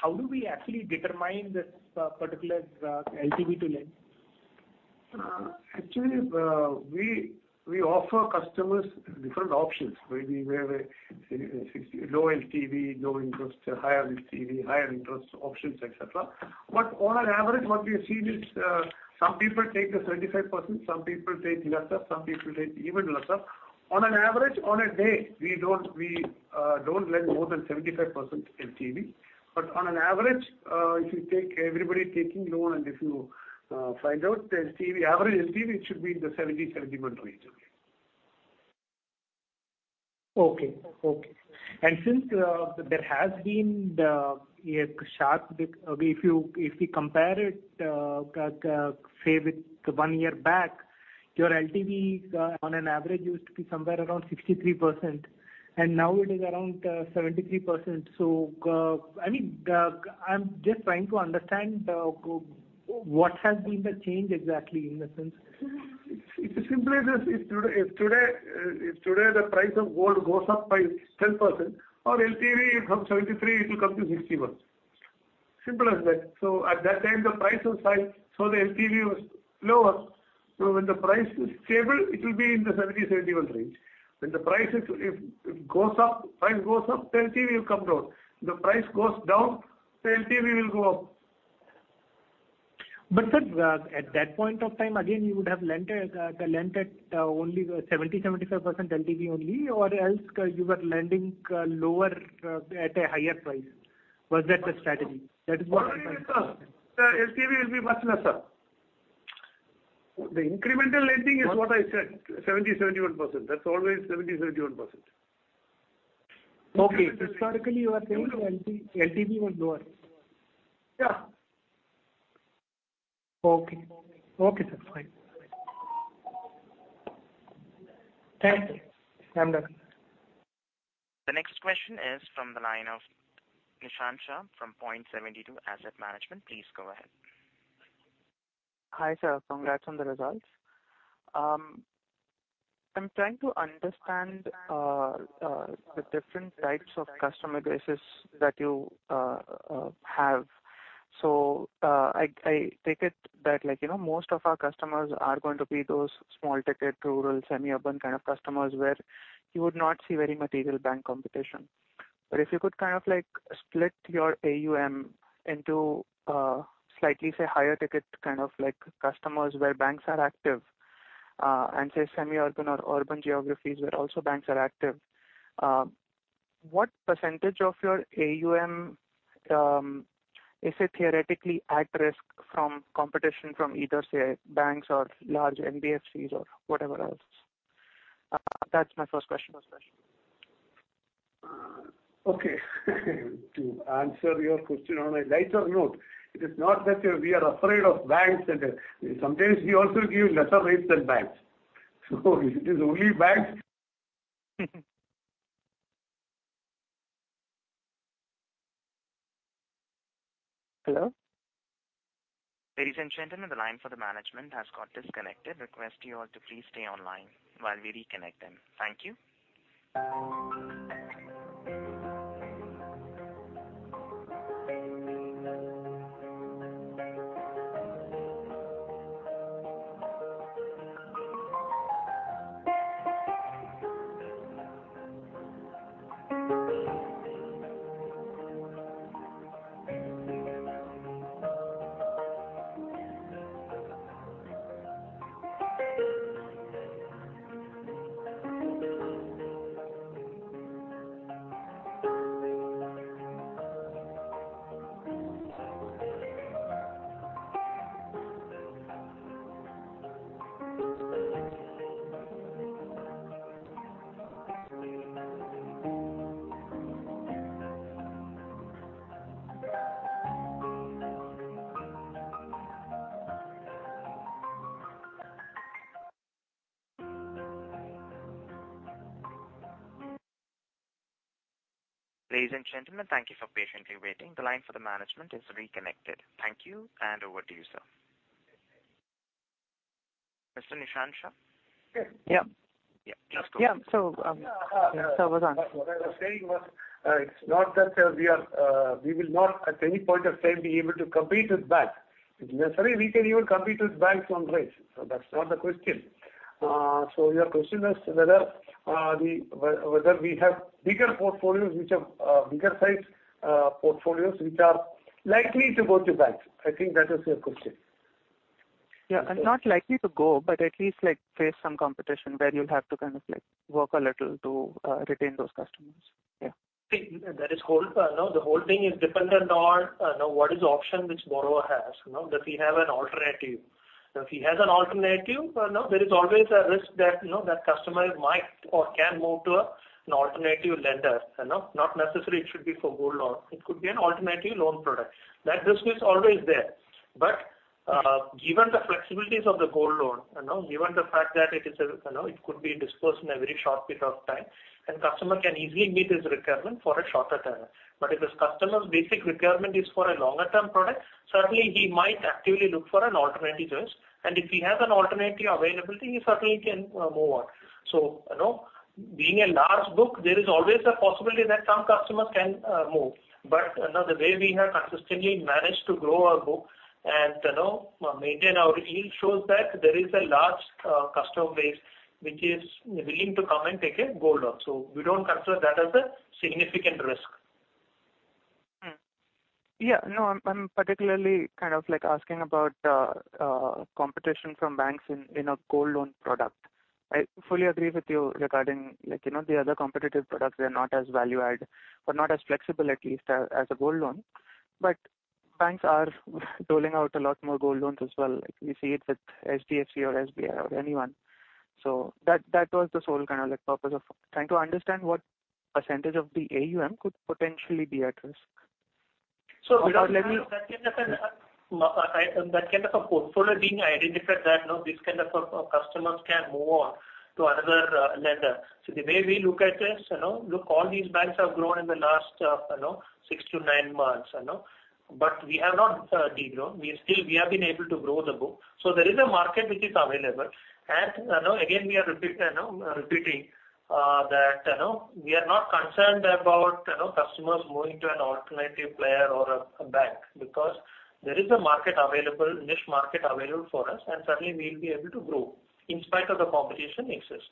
How do we actually determine this particular LTV to lend? Actually, we offer customers different options. Maybe we have a 60% LTV, low interest, higher LTV, higher interest options, et cetera. On an average, what we have seen is some people take a 75%, some people take lesser, some people take even lesser. On an average, on a day, we don't lend more than 75% LTV. On an average, if you take everybody taking loan and if you find out LTV, average LTV, it should be in the 70%-71% range. Okay. Since there has been a sharp, if we compare it say with one year back, your LTV on an average used to be somewhere around 63%, and now it is around 73%. I mean, I'm just trying to understand what has been the change exactly in that sense? It's as simple as this. If today the price of gold goes up by 10%, our LTV from 73, it will come to 61. Simple as that. At that time the price was high, so the LTV was lower. When the price is stable, it will be in the 70-71 range. When the price goes up, the LTV will come down. If the price goes down, the LTV will go up. Sir, at that point of time, again, you would have lent at only 75% LTV only, or else you were lending lower at a higher price. Was that the strategy? That is what- No, the LTV will be much lesser. The incremental lending is what I said, 70%-71%. That's always 70%-71%. Okay. Historically, you are saying LTV was lower. Yeah. Okay. Okay, sir. Fine. Thank you. I'm done. The next question is from the line of Nishant Shah from Point72 Asset Management. Please go ahead. Hi, sir. Congrats on the results. I'm trying to understand the different types of customer bases that you have. I take it that, like, you know, most of our customers are going to be those small-ticket, rural, semi-urban kind of customers where you would not see very material bank competition. If you could kind of like split your AUM into slightly, say, higher ticket kind of like customers where banks are active and say semi-urban or urban geographies where also banks are active, what percentage of your AUM is it theoretically at risk from competition from either, say, banks or large NBFCs or whatever else? That's my first question. Okay. To answer your question on a lighter note, it is not that we are afraid of banks and sometimes we also give lesser rates than banks. It is only banks. Hello? Ladies and gentlemen, the line for the management has got disconnected. Request you all to please stay online while we reconnect them. Thank you. Ladies and gentlemen, thank you for patiently waiting. The line for the management is reconnected. Thank you, and over to you, sir. Mr. Nishant Shah? Yeah. Yeah. Just go. Yeah. Sir was asking. What I was saying was, it's not that we will not at any point of time be able to compete with banks. If necessary, we can even compete with banks on rates. That's not the question. Your question is whether we have bigger portfolios which are likely to go to banks. I think that is your question. Yeah. Not likely to go, but at least, like, face some competition where you'll have to kind of like work a little to retain those customers. Yeah. The whole thing is dependent on what is the option which borrower has, you know? Does he have an alternative? Now, if he has an alternative, there is always a risk that, you know, that customer might or can move to an alternative lender, you know? Not necessarily it should be for gold loan. It could be an alternative loan product. That risk is always there. But given the flexibilities of the gold loan you know, given the fact that it is, you know, it could be disbursed in a very short period of time, and customer can easily meet his requirement for a shorter tenure. But if this customer's basic requirement is for a longer-term product, certainly he might actively look for an alternative source. If he has an alternative availability, he certainly can move on. You know, being a large book, there is always a possibility that some customers can move. But, you know, the way we have consistently managed to grow our book and, you know, maintain our yield shows that there is a large customer base which is willing to come and take a gold loan. We don't consider that as a significant risk. Yeah, no, I'm particularly kind of like asking about competition from banks in a gold loan product. I fully agree with you regarding, like, you know, the other competitive products, they are not as value add or not as flexible at least as a gold loan. Banks are doling out a lot more gold loans as well. Like, we see it with HDFC or SBI or anyone. That was the sole kind of like purpose of trying to understand what percentage of the AUM could potentially be at risk. Without having that kind of a portfolio being identified that, you know, these kind of customers can move on to another lender. The way we look at this, you know, look, all these banks have grown in the last, you know, six to nine months, you know. We have not de-grown. We still have been able to grow the book. There is a market which is available. You know, again, we are repeating that, you know, we are not concerned about, you know, customers moving to an alternative player or a bank because there is a market available, niche market available for us, and certainly we'll be able to grow in spite of the competition exists.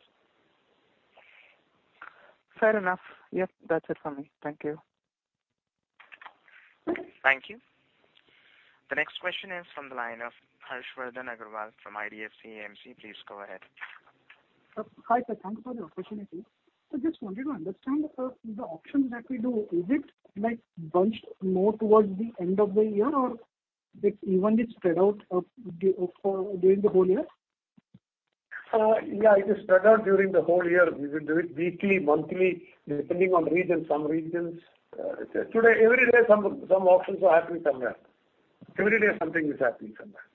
Fair enough. Yep, that's it from me. Thank you. Thank you. The next question is from the line of Harshvardhan Agrawal from IDFC AMC. Please go ahead. Hi, sir. Thanks for the opportunity. Just wanted to understand, the auctions that we do, is it like bunched more towards the end of the year or it evenly spread out, during the whole year? Yeah, it is spread out during the whole year. We will do it weekly, monthly, depending on region. Some regions, today, every day some auctions are happening somewhere. Every day something is happening somewhere.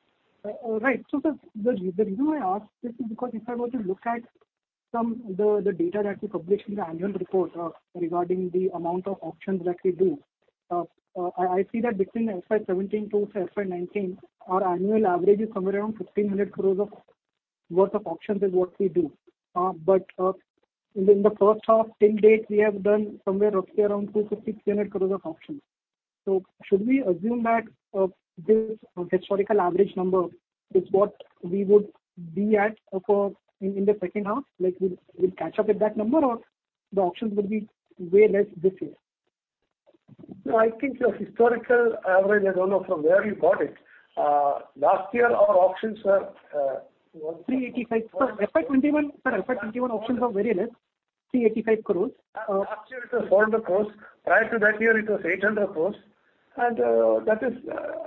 Right. The reason I ask this is because if I were to look at the data that you published in the annual report regarding the amount of auctions that we do, I see that between FY 2017 to FY 2019, our annual average is somewhere around 1,500 crores worth of auctions is what we do. In the first half till date, we have done somewhere roughly around 250-300 crores of auctions. Should we assume that this historical average number is what we would be at for the second half? Like, we'll catch up with that number or the auctions will be way less this year? No, I think your historical average, I don't know from where you got it. Last year our auctions were, 385. Sir, FY 2021. Sir, FY 2021 auctions are very less, 385 crores. Last year it was 400 crore. Prior to that year, it was 800 crore. That is,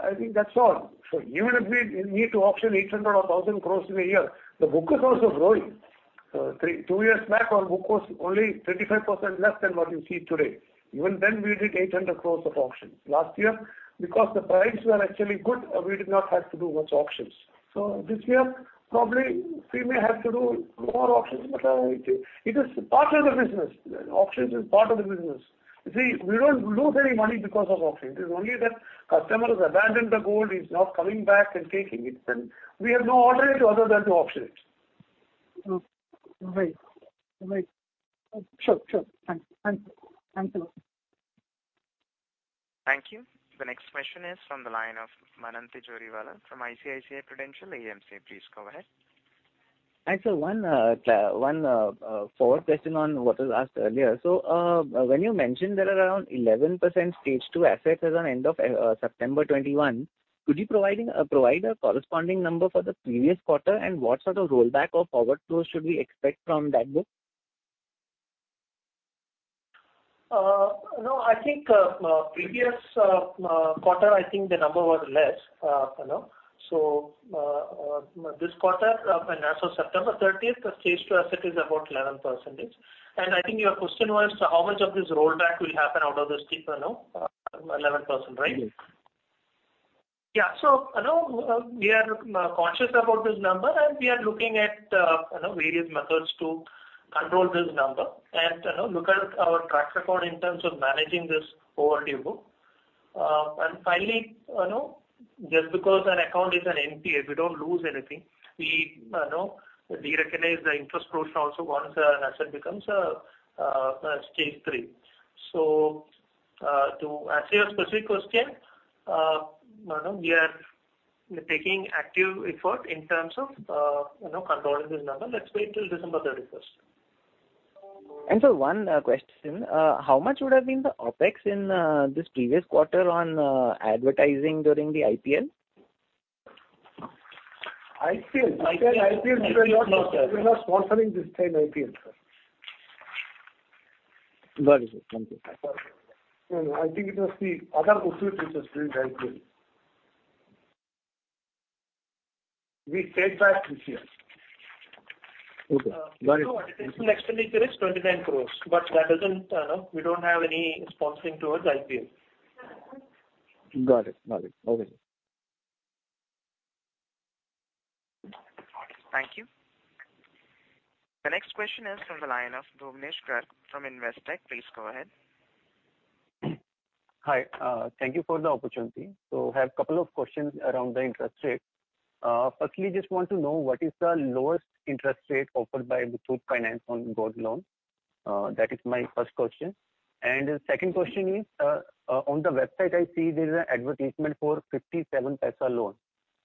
I think that's all. Even if we need to auction 800 crore or 1,000 crore in a year, the book is also growing. Two years back on book was only 35% less than what you see today. Even then we did 800 crore of auctions. Last year, because the prices were actually good, we did not have to do much auctions. This year, probably we may have to do more auctions, but it is part of the business. Auctions is part of the business. You see, we don't lose any money because of auctions. It is only that customers abandon the gold, it's not coming back and taking it, and we have no alternative other than to auction it. Right. Sure. Thanks a lot. Thank you. The next question is from the line of Manan Tijoriwala from ICICI Prudential AMC. Please go ahead. Hi, sir. One follow-up question on what was asked earlier. When you mentioned there are around 11% stage two assets as on end of September 2021, could you provide a corresponding number for the previous quarter and what sort of rollback or forward flow should we expect from that book? No, I think previous quarter, I think the number was less, you know. This quarter, as of September thirtieth, the stage two asset is about 11%. I think your question was how much of this rollback will happen out of this, you know, 11%, right? Yes. You know, we are conscious about this number, and we are looking at you know, various methods to control this number and, you know, look at our track record in terms of managing this overdue book. Finally, you know, just because an account is an NPA, we don't lose anything. We, you know, we recognize the interest portion also once the asset becomes stage three. To answer your specific question, you know, we are taking active effort in terms of, you know, controlling this number. Let's wait till December 31. One question, how much would have been the OpEx in this previous quarter on advertising during the IPL? IPL. IPL. We are not sponsoring this time IPL, sir. Got it. Thank you. No, no. I think it was the other group which was doing the IPL. We stayed back this year. Okay. Got it. No, additional expenditure is 29 crore, but that doesn't. No, we don't have any sponsoring towards IPL. Got it. Okay. Thank you. The next question is from the line of Dominish Garg from Investec. Please go ahead. Hi. Thank you for the opportunity. I have a couple of questions around the interest rate. Firstly, I just want to know what is the lowest interest rate offered by Muthoot Finance on gold loan? That is my first question. The second question is, on the website, I see there is an advertisement for 57 paisa loan.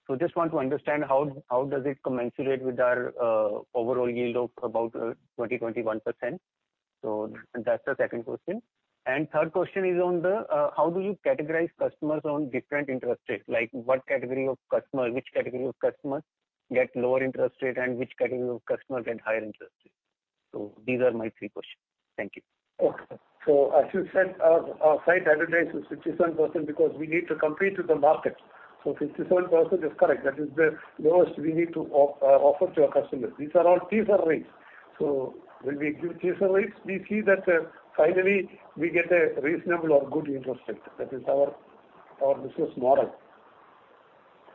I just want to understand how does it commensurate with our overall yield of about 21%. That's the second question. Third question is on how do you categorize customers on different interest rates? Like, what category of customer, which category of customer get lower interest rate and which category of customer get higher interest rate? These are my three questions. Thank you. Okay. As you said, our site advertises 57 paisa because we need to compete with the market. 57 paisa is correct. That is the lowest we need to offer to our customers. These are all teaser rates. When we give teaser rates, we see that finally we get a reasonable or good interest rate. That is our business model.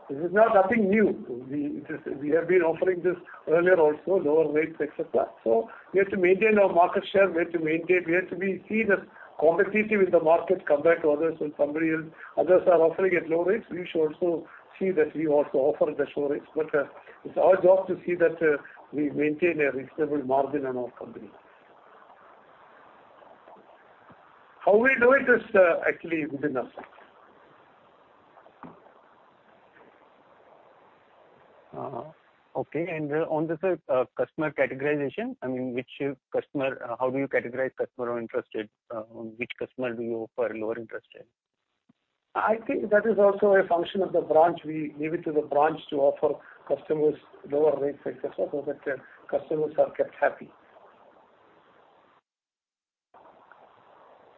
This is not nothing new. We have been offering this earlier also, lower rates, et cetera. We have to maintain our market share. We have to be competitive in the market compared to others when others are offering at low rates, we should also offer the low rates. It's our job to see that we maintain a reasonable margin in our company. How we do it is, actually within us. On the customer categorization, I mean, which customer, how do you categorize customer on interest rate? On which customer do you offer lower interest rate? I think that is also a function of the branch. We leave it to the branch to offer customers lower rates, et cetera, so that customers are kept happy.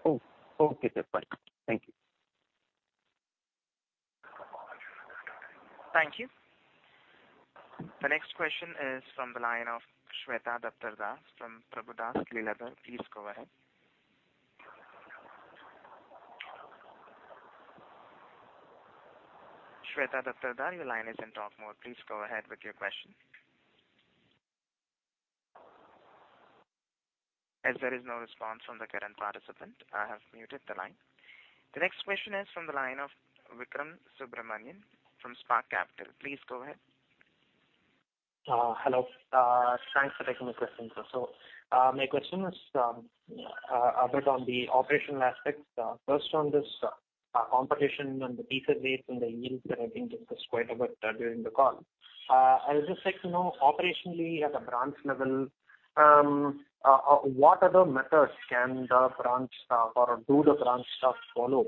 Oh. Okay, then. Fine. Thank you. Thank you. The next question is from the line of Shweta Daptardar from Prabhudas Lilladher. Please go ahead. Shweta Daptardar, your line is in talk mode. Please go ahead with your question. As there is no response from the current participant, I have muted the line. The next question is from the line of Vikram Subramanian from Spark Capital. Please go ahead. Hello. Thanks for taking my question, sir. My question is a bit on the operational aspects. First on this competition and the teaser rates and the yields that have been discussed quite a bit during the call. I would just like to know operationally at a branch level what are the methods can the branch staff or do the branch staff follow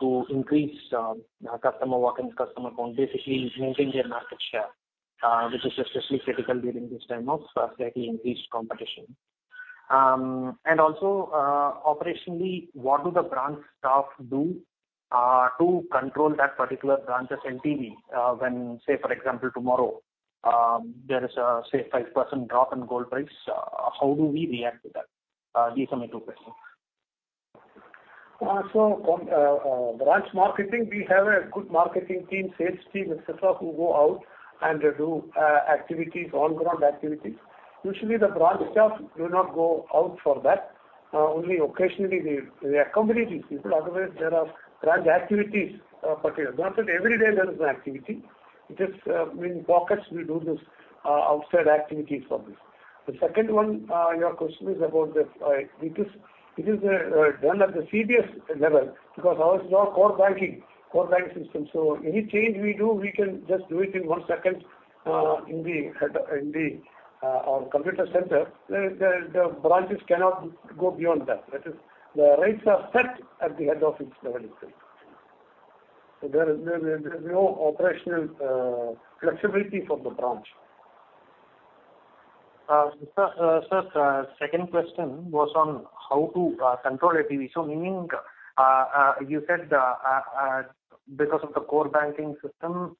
to increase customer walk-in customer count, basically maintain their market share, which is especially critical during this time of slightly increased competition? And also operationally, what do the branch staff do to control that particular branch's LTV when, say, for example, tomorrow there is a say 5% drop in gold price, how do we react to that? These are my two questions. On branch marketing, we have a good marketing team, sales team, et cetera, who go out and they do activities, on-ground activities. Usually, the branch staff do not go out for that. Only occasionally they accompany these people. Otherwise, there are branch activities in particular. Not that every day there is an activity. It is in pockets we do this outside activities for this. The second one, your question is about the, it is done at the CBS level because ours is all core banking system. So any change we do, we can just do it in one second in the head office, in our computer center. The branches cannot go beyond that. That is the rates are set at the head office level itself. There is no operational flexibility for the branch. Sir, second question was on how to control LTV. Meaning, you said, because of the core banking system,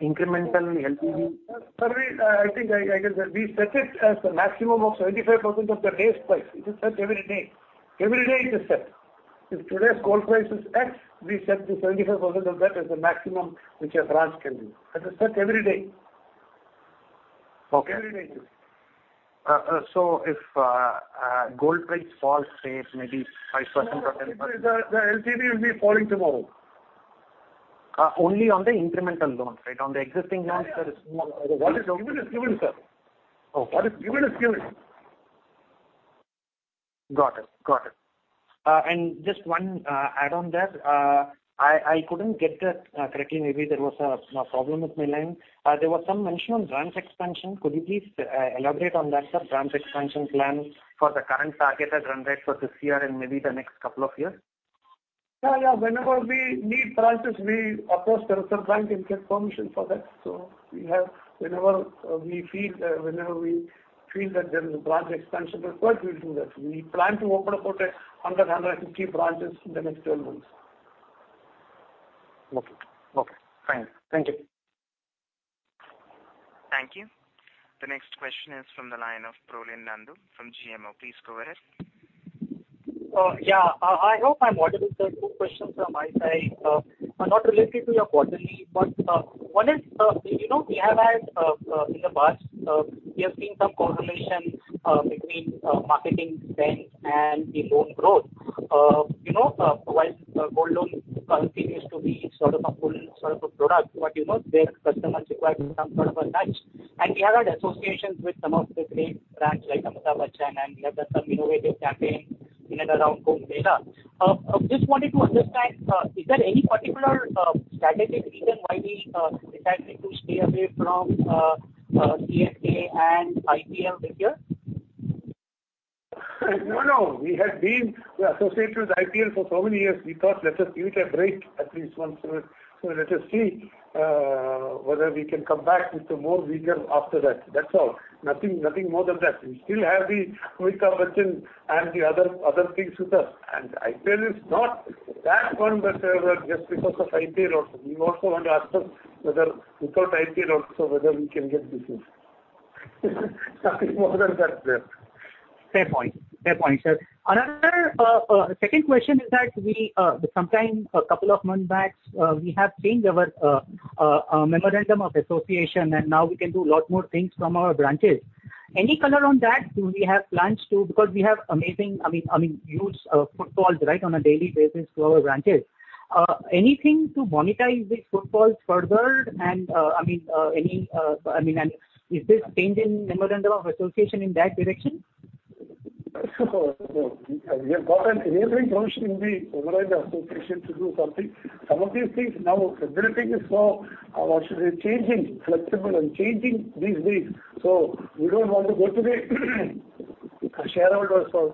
incremental LTV- Sir, probably I think I can say. We set it as a maximum of 75% of the day's price. It is set every day. Every day it is set. If today's gold price is X, we set the 75% of that as the maximum which a branch can do. That is set every day. Okay. Every day it is. If gold price falls, say maybe 5% or 10%. No, the LTV will be falling tomorrow. Only on the incremental loans, right? On the existing loans, there is no. What is given is given, sir. Okay. What is given is given. Got it. Just one add-on there. I couldn't get that correctly. Maybe there was a problem with my line. There was some mention on branch expansion. Could you please elaborate on that, sir? Branch expansion plans for the current targeted run rate for this year and maybe the next couple of years? Yeah, yeah. Whenever we need branches, we approach Reserve Bank and get permission for that. Whenever we feel that there is a branch expansion required, we'll do that. We plan to open about 100-150 branches in the next 12 months. Okay. Okay, fine. Thank you. Thank you. The next question is from the line of Prolin Nandu from GMO. Please go ahead. I hope I'm audible, sir. Two questions from my side. Not related to your quarterly, but one is, you know, we have had, in the past, we have seen some correlation between marketing spend and the loan growth. You know, while gold loan continues to be sort of a pull sort of a product, but you know, where customers require some sort of a touch, and we have had associations with some of the great brands like Amitabh Bachchan and we have done some innovative campaigns in and around Gold Loan Mela. Just wanted to understand, is there any particular strategic reason why we decided to stay away from CSK and IPL this year? No. We had been associated with IPL for so many years. We thought, let us give it a break at least once. Let us see whether we can come back with a more vigor after that. That's all. Nothing more than that. We still have the Amitabh Bachchan and the other things with us. IPL is not that one that just because of IPL also. We also want to assess whether without IPL also whether we can get business. Nothing more than that, sir. Fair point, sir. Another second question is that we sometime a couple of months back we have changed our memorandum of association, and now we can do a lot more things from our branches. Any color on that? Do we have plans, because we have amazing, I mean, huge footfalls, right, on a daily basis to our branches. Anything to monetize these footfalls further and, I mean, any, I mean, and is this change in memorandum of association in that direction? We have got an enabling provision in the memorandum of association to do something. Some of these things now, everything is so, what should I say, changing, flexible and changing these days. We don't want to go to the shareholders for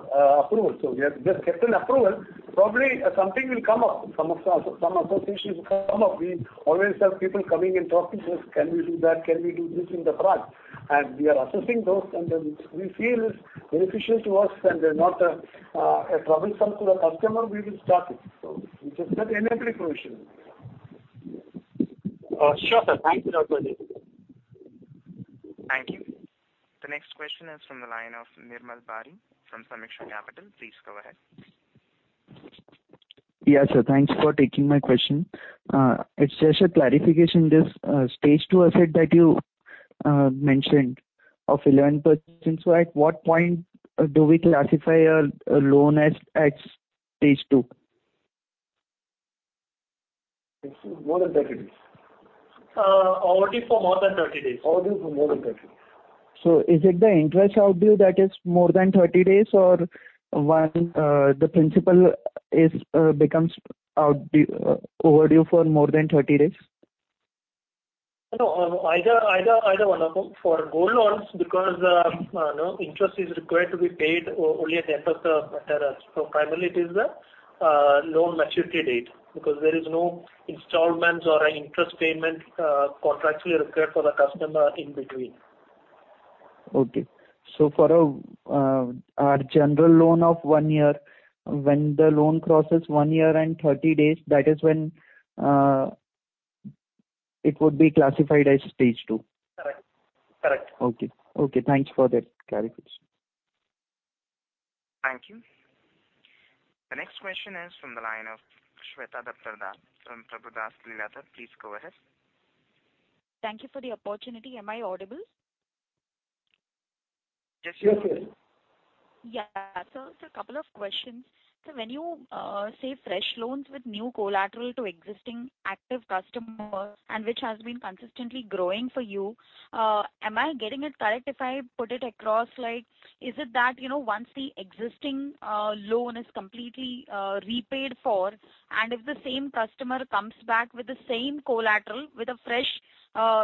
approval. We have just kept an approval. Probably something will come up. Some association will come up. We always have people coming and talking to us. Can we do that? Can we do this in the branch? We are assessing those and then we feel is beneficial to us and not a troublesome to the customer, we will start it. We just get enabling provision. Sure, sir. Thanks a lot for this. Thank you. The next question is from the line of Nirmal Bari from Sameeksha Capital. Please go ahead. Yes, sir. Thanks for taking my question. It's just a clarification. This stage two asset that you mentioned of 11%. At what point do we classify a loan as at stage two? It's more than 30 days. Overdue for more than 30 days. Overdue for more than 30 days. Is it the interest overdue that is more than 30 days or when the principal becomes overdue for more than 30 days? No. Either one of them. For gold loans because no interest is required to be paid only at the end of the tenor. Primarily it is the loan maturity date because there is no installments or an interest payment contractually required for the customer in between. For our general loan of one year, when the loan crosses one year and 30 days, that is when it would be classified as Stage two. Correct. Okay. Thanks for that clarification. Thank you. The next question is from the line of Shweta Daptardar from Prabhudas Lilladher. Please go ahead. Thank you for the opportunity. Am I audible? Yes, ma'am. Yeah. It's a couple of questions. When you say fresh loans with new collateral to existing active customers and which has been consistently growing for you, am I getting it correct if I put it across like, is it that, you know, once the existing loan is completely repaid for and if the same customer comes back with the same collateral with a fresh,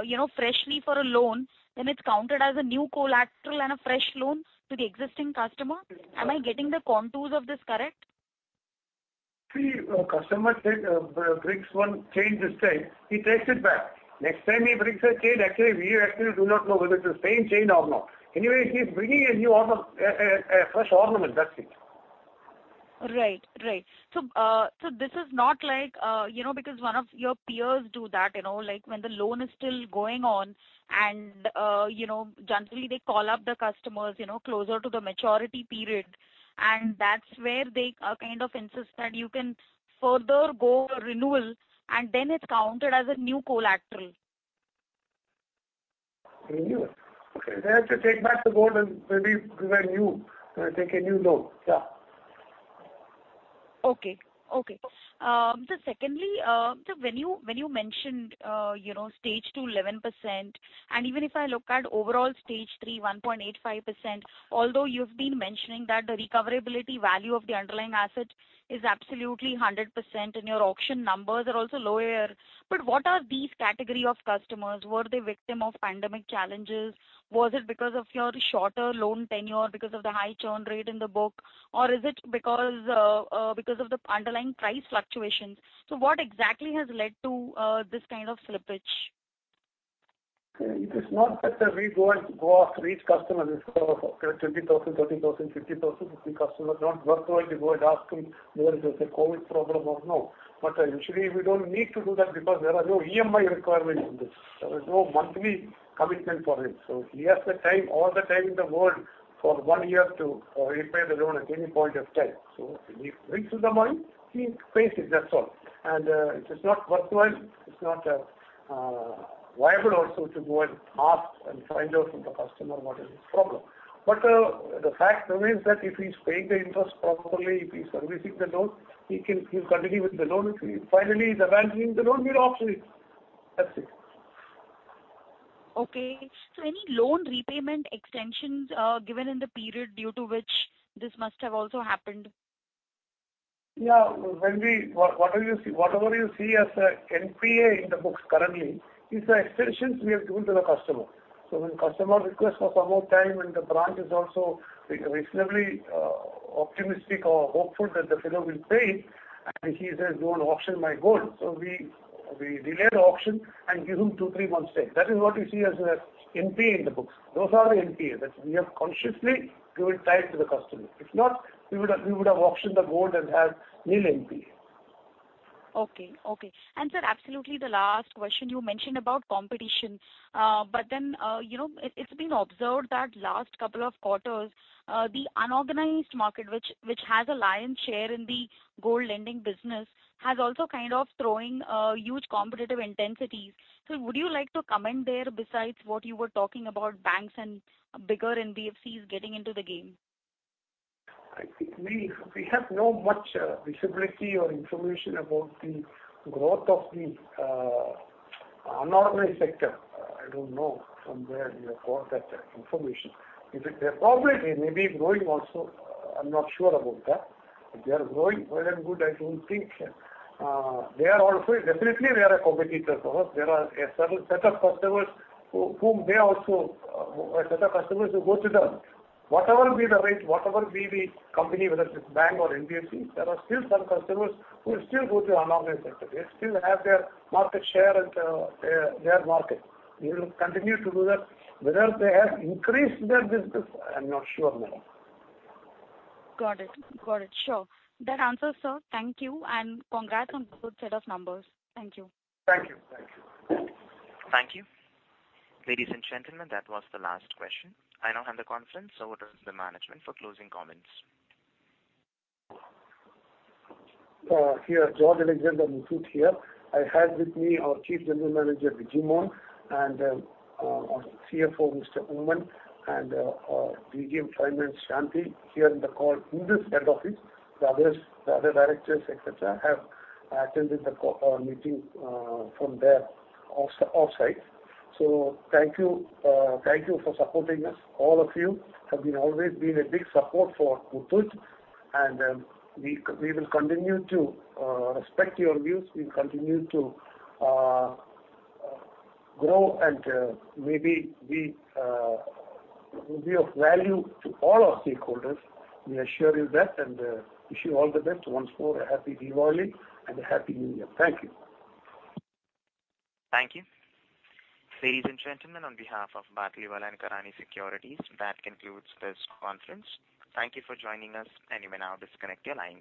you know, freshly for a loan, then it's counted as a new collateral and a fresh loan to the existing customer. Am I getting the contours of this correct? See, a customer brings one chain this time, he takes it back. Next time he brings a chain, actually we do not know whether it's the same chain or not. Anyway, he's bringing a new ornament, a fresh ornament. That's it. Right. This is not like, you know, because one of your peers do that, you know, like when the loan is still going on and, you know, generally they call up the customers, you know, closer to the maturity period, and that's where they kind of insist that you can further go renewal and then it's counted as a new collateral. Renewal. Okay. They have to take back the gold and maybe take a new loan. Yeah. Secondly, when you mentioned, you know, stage two 11%, and even if I look at overall stage three 1.85%, although you've been mentioning that the recoverability value of the underlying asset is absolutely 100% and your auction numbers are also lower. What are these category of customers? Were they victim of pandemic challenges? Was it because of your shorter loan tenure because of the high churn rate in the book, or is it because of the underlying price fluctuations? What exactly has led to this kind of slippage? It is not that we go and ask each customer. If 20,000, 30,000, 50,000, 50 customers, not worthwhile to go and ask him whether it is a COVID problem or no. But usually we don't need to do that because there are no EMI requirement in this. There is no monthly commitment for him. He has the time, all the time in the world for one year to repay the loan at any point of time. If he brings the money, he pays it. That's all. It is not worthwhile. It's not viable also to go and ask and find out from the customer what is his problem. The fact remains that if he's paying the interest properly, if he's servicing the loan, he can, he'll continue with the loan. If he finally advances him the loan, we'll auction it. That's it. Okay. Any loan repayment extensions, given in the period due to which this must have also happened? Yeah. Whatever you see as a NPA in the books currently is the extensions we have given to the customer. When customer requests for some more time and the branch is also reasonably optimistic or hopeful that the fellow will pay and he says, "Don't auction my gold." We delay the auction and give him two-three months time. That is what you see as a NPA in the books. Those are the NPA that we have consciously given time to the customer. If not, we would have auctioned the gold and had nil NPA. Okay. Sir, absolutely the last question, you mentioned about competition. You know, it's been observed that last couple of quarters, the unorganized market which has a lion's share in the gold lending business, has also kind of throwing huge competitive intensities. Would you like to comment there besides what you were talking about banks and bigger NBFCs getting into the game? I think we have not much visibility or information about the growth of the unorganized sector. I don't know from where you have got that information. They probably may be growing also. I'm not sure about that. If they are growing, well and good. I don't think they are also definitely a competitor for us. There are a certain set of customers who go to them. Whatever be the rate, whatever be the company, whether it's bank or NBFC, there are still some customers who will still go to unorganized sector. They still have their market share and their market. We will continue to do that. Whether they have increased their business, I'm not sure, madam. Got it. Sure. That answers, sir. Thank you and congrats on good set of numbers. Thank you. Thank you. Thank you. Thank you. Ladies and gentlemen, that was the last question. I now hand the conference over to the management for closing comments. George Alexander Muthoot here. I have with me our Chief General Manager, Vijayan, and our CFO, Mr. Oommen Mammen, and our DGM Finance, Shanthi, here on the call in this head office. The other directors, etc., have attended the meeting from their offsite. Thank you for supporting us. All of you have always been a big support for Muthoot, and we will continue to respect your views. We'll continue to grow and be of value to all our stakeholders. We assure you that and wish you all the best. Once more, a happy Diwali and a happy new year. Thank you. Thank you. Ladies and gentlemen, on behalf of Batlivala and Karani Securities, that concludes this conference. Thank you for joining us and you may now disconnect your lines.